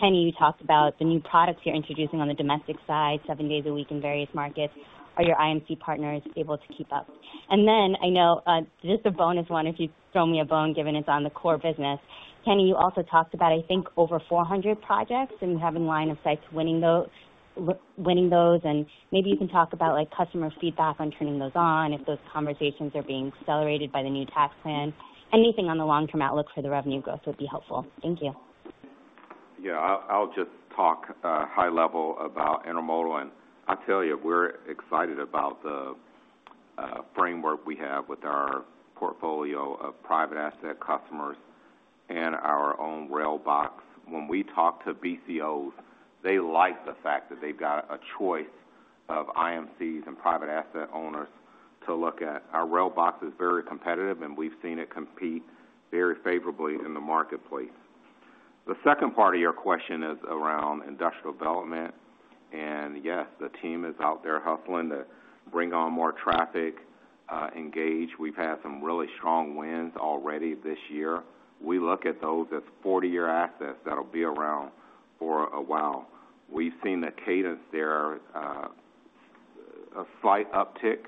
Kenny, you talked about the new products you're introducing on the domestic side, seven days a week in various markets. Are your IMC partners able to keep up? I know just a bonus one, if you throw me a bone, given it's on the core business. Kenny, you also talked about, I think, over 400 projects and having a line of sight to winning those. Maybe you can talk about customer feedback on turning those on, if those conversations are being accelerated by the new tax plan. Anything on the long-term outlook for the revenue growth would be helpful. Thank you. Yeah. I'll just talk high level about intermodal. I'll tell you, we're excited about the framework we have with our portfolio of private asset customers and our own rail box. When we talk to BCOs, they like the fact that they've got a choice of IMCs and private asset owners to look at. Our rail box is very competitive, and we've seen it compete very favorably in the marketplace. The second part of your question is around industrial development. Yes, the team is out there hustling to bring on more traffic. Engage. We've had some really strong wins already this year. We look at those as 40-year assets that'll be around for a while. We've seen a cadence there, a slight uptick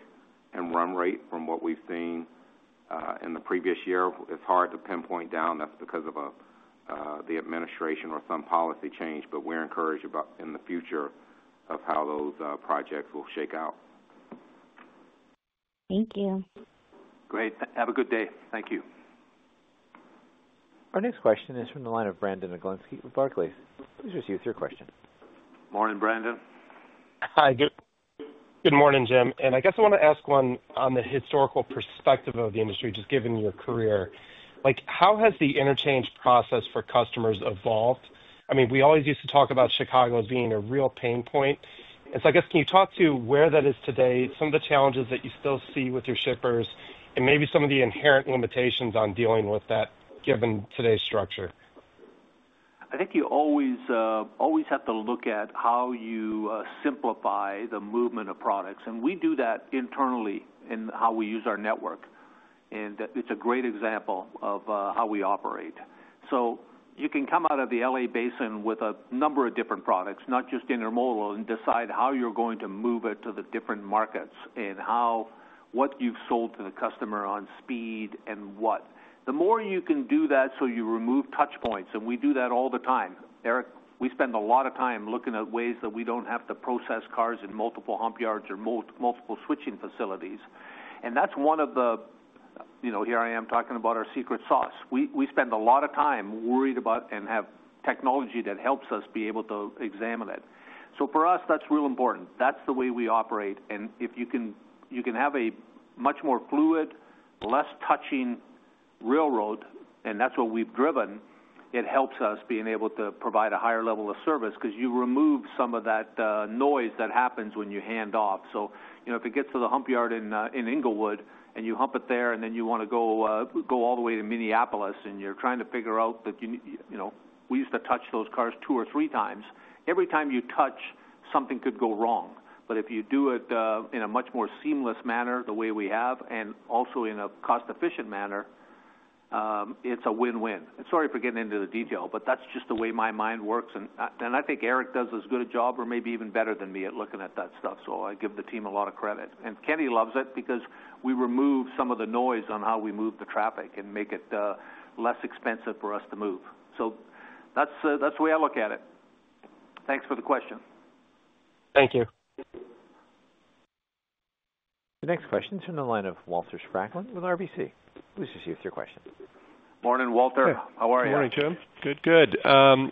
in run rate from what we've seen in the previous year. It's hard to pinpoint down if that's because of the administration or some policy change. We're encouraged in the future of how those projects will shake out. Thank you. Great. Have a good day. Thank you. Our next question is from the line of Brandon Oglenski with Barclays. Please proceed with your question. Morning, Brandon. Hi. Good morning, Jim. I guess I want to ask one on the historical perspective of the industry, just given your career. How has the interchange process for customers evolved? I mean, we always used to talk about Chicago as being a real pain point. I guess can you talk to where that is today, some of the challenges that you still see with your shippers, and maybe some of the inherent limitations on dealing with that given today's structure? I think you always have to look at how you simplify the movement of products. We do that internally in how we use our network. It is a great example of how we operate. You can come out of the LA basin with a number of different products, not just intermodal, and decide how you are going to move it to the different markets and what you have sold to the customer on speed and what. The more you can do that so you remove touch points. We do that all the time. Eric, we spend a lot of time looking at ways that we do not have to process cars in multiple humpyards or multiple switching facilities. That is one of the—here I am talking about our secret sauce. We spend a lot of time worried about and have technology that helps us be able to examine it. For us, that is real important. That is the way we operate. If you can have a much more fluid, less touching railroad, and that is what we have driven, it helps us be able to provide a higher level of service because you remove some of that noise that happens when you hand off. If it gets to the humpyard in Inglewood and you hump it there and then you want to go all the way to Minneapolis and you are trying to figure out that. We used to touch those cars two or three times. Every time you touch, something could go wrong. If you do it in a much more seamless manner, the way we have, and also in a cost-efficient manner, it is a win-win. Sorry for getting into the detail, but that is just the way my mind works. I think Eric does as good a job or maybe even better than me at looking at that stuff. I give the team a lot of credit. Kenny loves it because we remove some of the noise on how we move the traffic and make it less expensive for us to move. That is the way I look at it. Thanks for the question. Thank you. The next question is from the line of Walter Spracklin with RBC. Please proceed with your question. Morning, Walter. How are you? Morning, Jim. Good, good. Yeah.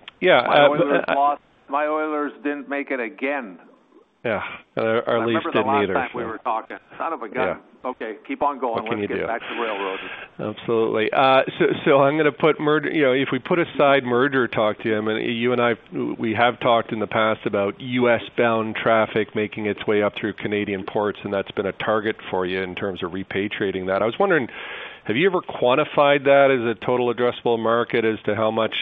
My Oilers didn't make it again. Yeah. Our least good needers. I remember the last time we were talking. Out of a gun. Okay. Keep on going once you get back to the railroad. Absolutely. I'm going to put, if we put aside merger talk to him, and you and I, we have talked in the past about U.S.-bound traffic making its way up through Canadian ports, and that's been a target for you in terms of repatriating that. I was wondering, have you ever quantified that as a total addressable market as to how much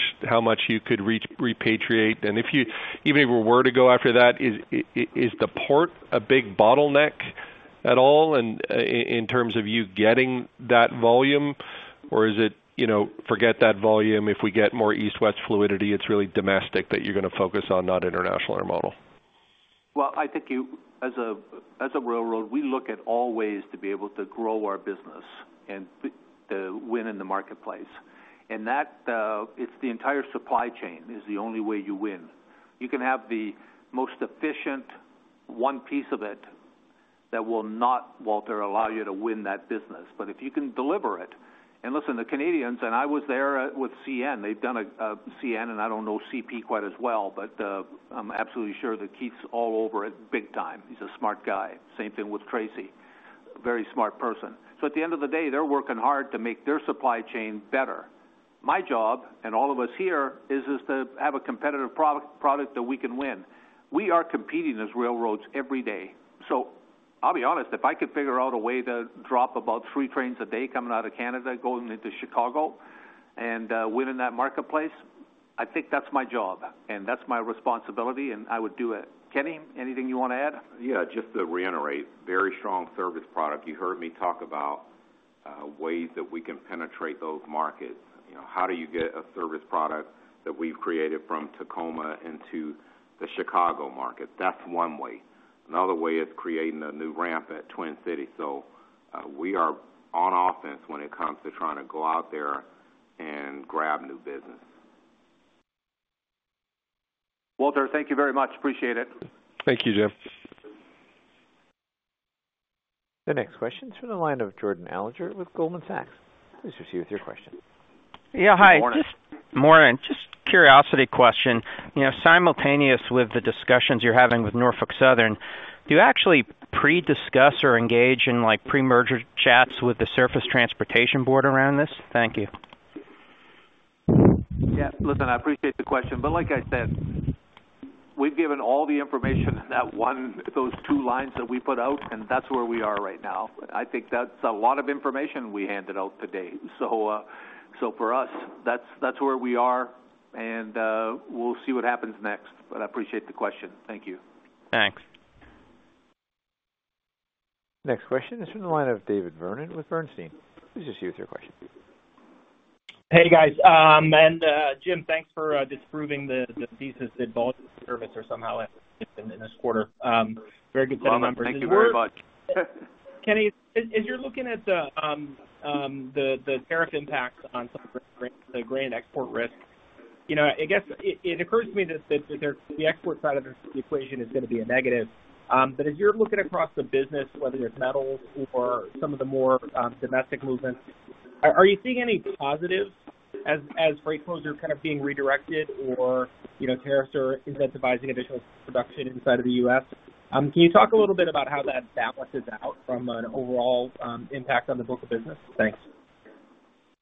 you could repatriate? If you even were to go after that, is the port a big bottleneck at all in terms of you getting that volume? Is it forget that volume if we get more east-west fluidity, it's really domestic that you're going to focus on, not international intermodal? I think as a railroad, we look at all ways to be able to grow our business and win in the marketplace. It is the entire supply chain that is the only way you win. You can have the most efficient one piece of it that will not, Walter, allow you to win that business. If you can deliver it. Listen, the Canadians, and I was there with CN. They have done CN, and I do not know CP quite as well, but I am absolutely sure that Keith is all over it big time. He is a smart guy. Same thing with Tracy. Very smart person. At the end of the day, they are working hard to make their supply chain better. My job, and all of us here, is to have a competitive product that we can win. We are competing as railroads every day. I will be honest, if I could figure out a way to drop about three trains a day coming out of Canada, going into Chicago, and win in that marketplace, I think that is my job. That is my responsibility, and I would do it. Kenny, anything you want to add? Yeah, just to reiterate, very strong service product. You heard me talk about ways that we can penetrate those markets. How do you get a service product that we've created from Tacoma into the Chicago market? That's one way. Another way is creating a new ramp at Twin City. We are on offense when it comes to trying to go out there and grab new business. Walter, thank you very much. Appreciate it. Thank you, Jim. The next question is from the line of Jordan Alliger with Goldman Sachs. Please proceed with your question. Yeah, hi. Morning. Just curiosity question. Simultaneous with the discussions you're having with Norfolk Southern, do you actually pre-discuss or engage in pre-merger chats with the Surface Transportation Board around this? Thank you. Yeah. Listen, I appreciate the question. Like I said, we've given all the information in those two lines that we put out, and that's where we are right now. I think that's a lot of information we handed out today. For us, that's where we are, and we'll see what happens next. I appreciate the question. Thank you. Thanks. The next question is from the line of David Vernon with Bernstein. Please proceed with your question. Hey, guys. Jim, thanks for disproving the thesis that Baltic service are somehow in this quarter. Very good setup. Thank you very much. Kenny, as you're looking at the tariff impacts on the grain export risk, I guess it occurs to me that the export side of the equation is going to be a negative. As you're looking across the business, whether it's metals or some of the more domestic movements, are you seeing any positives as freight flows are kind of being redirected or tariffs are incentivizing additional production inside of the U.S.? Can you talk a little bit about how that balances out from an overall impact on the book of business? Thanks.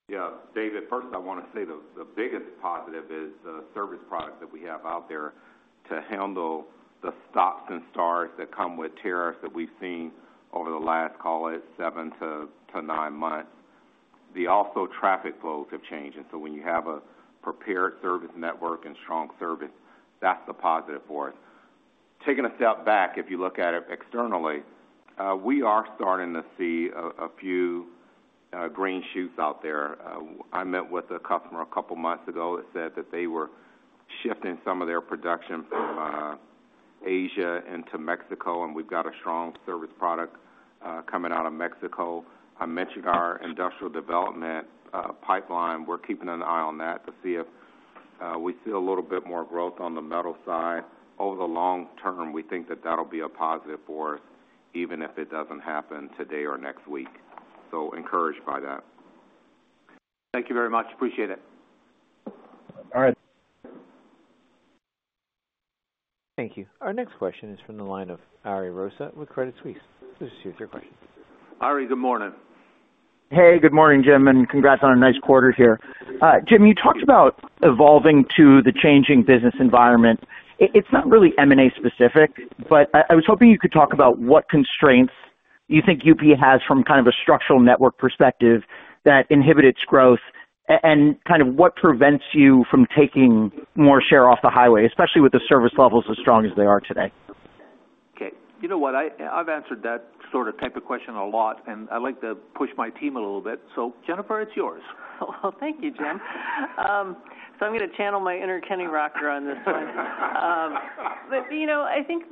Yeah. David, first, I want to say the biggest positive is the service product that we have out there to handle the stops and starts that come with tariffs that we've seen over the last, call it, seven to nine months. The also traffic flows have changed. When you have a prepared service network and strong service, that's the positive for us. Taking a step back, if you look at it externally, we are starting to see a few green shoots out there. I met with a customer a couple of months ago that said that they were shifting some of their production from Asia into Mexico, and we've got a strong service product coming out of Mexico. I mentioned our industrial development pipeline. We're keeping an eye on that to see if we see a little bit more growth on the metal side. Over the long term, we think that that'll be a positive for us, even if it doesn't happen today or next week. Encouraged by that. Thank you very much. Appreciate it. All right. Thank you. Our next question is from the line of Ari Rosa with Credit Suisse. Please proceed with your question. Ari, good morning. Hey, good morning, Jim. Congrats on a nice quarter here. Jim, you talked about evolving to the changing business environment. It's not really M&A specific, but I was hoping you could talk about what constraints you think UP has from kind of a structural network perspective that inhibit its growth and kind of what prevents you from taking more share off the highway, especially with the service levels as strong as they are today. Okay. You know what? I've answered that sort of type of question a lot, and I like to push my team a little bit. So, Jennifer, it's yours. Thank you, Jim. I'm going to channel my inner Kenny Rocker on this one. I think,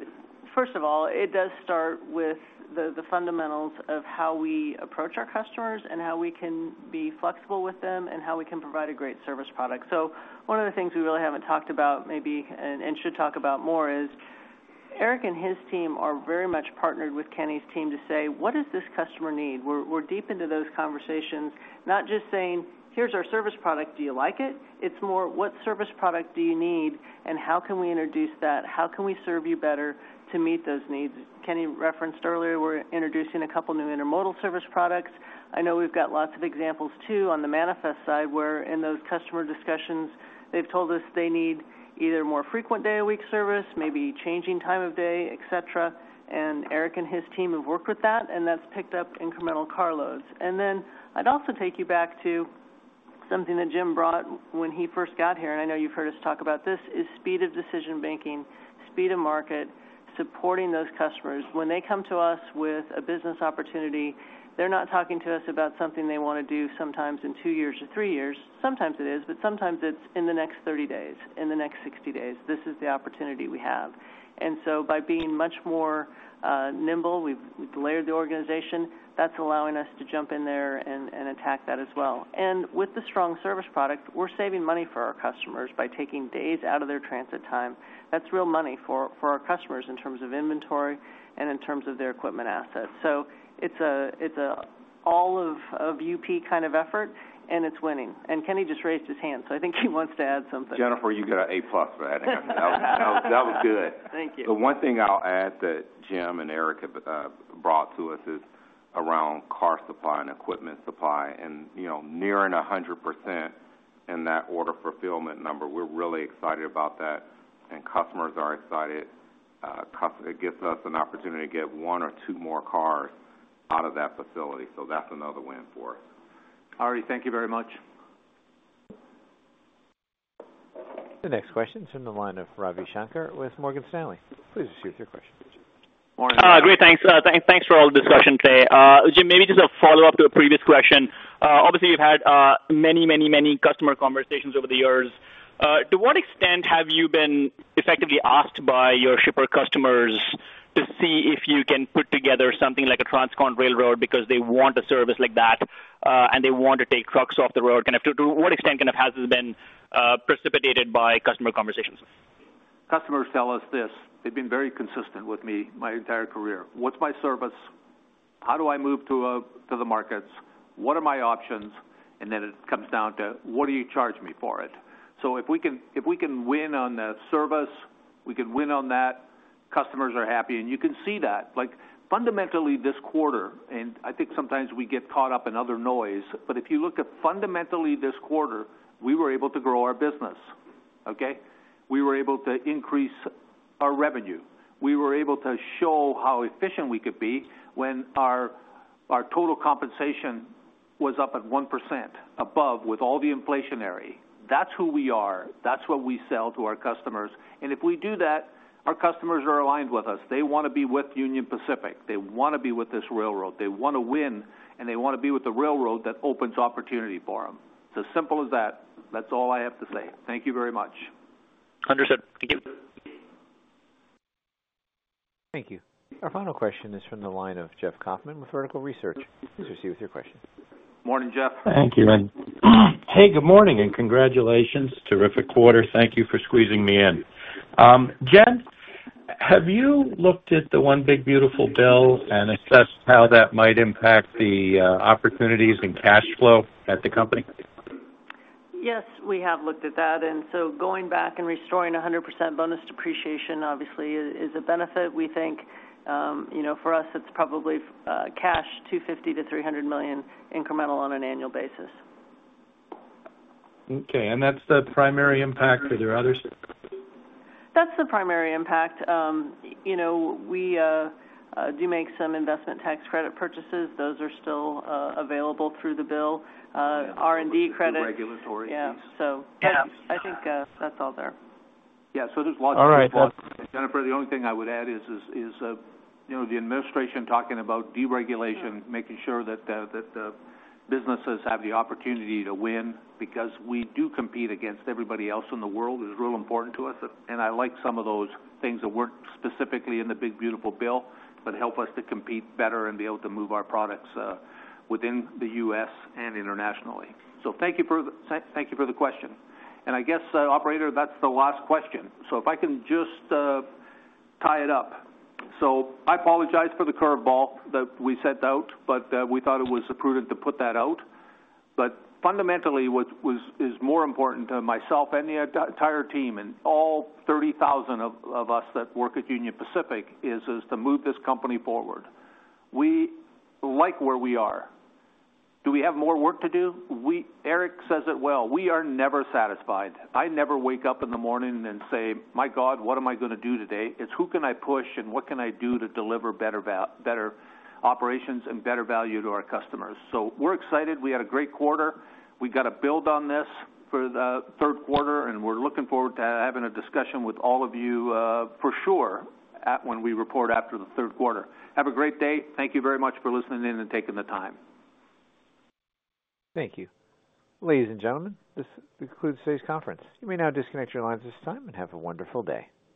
first of all, it does start with the fundamentals of how we approach our customers and how we can be flexible with them and how we can provide a great service product. One of the things we really have not talked about, maybe, and should talk about more is Eric and his team are very much partnered with Kenny's team to say, "What does this customer need?" We are deep into those conversations, not just saying, "Here's our service product. Do you like it?" It is more, "What service product do you need and how can we introduce that? How can we serve you better to meet those needs?" Kenny referenced earlier we are introducing a couple of new intermodal service products. I know we have lots of examples too on the manifest side where in those customer discussions, they have told us they need either more frequent day-a-week service, maybe changing time of day, etc. Eric and his team have worked with that, and that has picked up incremental carloads. I would also take you back to something that Jim brought when he first got here, and I know you have heard us talk about this, which is speed of decision-making, speed of market, supporting those customers. When they come to us with a business opportunity, they are not talking to us about something they want to do sometimes in two years or three years. Sometimes it is, but sometimes it is in the next 30 days, in the next 60 days. This is the opportunity we have. By being much more nimble, we have layered the organization. That is allowing us to jump in there and attack that as well. With the strong service product, we are saving money for our customers by taking days out of their transit time. That is real money for our customers in terms of inventory and in terms of their equipment assets. It is an all-of-UP kind of effort, and it is winning. Kenny just raised his hand, so I think he wants to add something. Jennifer, you got an A-plus for that. That was good. Thank you. The one thing I'll add that Jim and Eric have brought to us is around car supply and equipment supply. Nearing 100% in that order fulfillment number, we're really excited about that. Customers are excited. It gives us an opportunity to get one or two more cars out of that facility. That's another win for us. All right. Thank you very much. The next question is from the line of Ravi Shankar with Morgan Stanley. Please proceed with your question. Thanks Great. Thanks. Thanks for all the discussion today. Jim, maybe just a follow-up to a previous question. Obviously, you've had many, many, many customer conversations over the years. To what extent have you been effectively asked by your shipper customers to see if you can put together something like a transcont railroad because they want a service like that and they want to take trucks off the road? To what extent has this been precipitated by customer conversations? Customers tell us this. They've been very consistent with me my entire career. What's my service? How do I move to the markets? What are my options? It comes down to, what do you charge me for it? If we can win on the service, we can win on that, customers are happy. You can see that. Fundamentally, this quarter, I think sometimes we get caught up in other noise, but if you look at fundamentally this quarter, we were able to grow our business. We were able to increase our revenue. We were able to show how efficient we could be when our total compensation was up at 1% above with all the inflationary. That's who we are. That's what we sell to our customers. If we do that, our customers are aligned with us. They want to be with Union Pacific. They want to be with this railroad. They want to win, and they want to be with the railroad that opens opportunity for them. It's as simple as that. That's all I have to say. Thank you very much. Understood. Thank you. Thank you. Our final question is from the line of Jeff Kauffman with Vertical Research. Please proceed with your question. Morning, Jeff. Thank you, Ed. Hey, good morning and congratulations. Terrific quarter. Thank you for squeezing me in. Jen, have you looked at the one big beautiful bill and assessed how that might impact the opportunities and cash flow at the company? Yes, we have looked at that. Going back and restoring 100% bonus depreciation, obviously, is a benefit. We think for us, it's probably cash, $250 million-$300 million incremental on an annual basis. Okay. And that's the primary impact? Are there others? That's the primary impact. We do make some investment tax credit purchases. Those are still available through the bill. R&D credit. Regulatory. Yeah. So I think that's all there. Yeah. So there's lots of people. All right. Jennifer, the only thing I would add is the administration talking about deregulation, making sure that the businesses have the opportunity to win because we do compete against everybody else in the world is real important to us. I like some of those things that were not specifically in the big beautiful bill, but help us to compete better and be able to move our products within the U.S. and internationally. Thank you for the question. I guess, operator, that's the last question. If I can just tie it up. I apologize for the curveball that we sent out, but we thought it was prudent to put that out. Fundamentally, what is more important to myself and the entire team and all 30,000 of us that work at Union Pacific is to move this company forward. We like where we are. Do we have more work to do? Eric says it well. We are never satisfied. I never wake up in the morning and say, "My God, what am I going to do today?" It's who can I push and what can I do to deliver better operations and better value to our customers. We are excited. We had a great quarter. We have to build on this for the third quarter, and we are looking forward to having a discussion with all of you, for sure, when we report after the third quarter. Have a great day. Thank you very much for listening in and taking the time. Thank you. Ladies and gentlemen, this concludes today's conference. You may now disconnect your lines at this time and have a wonderful day.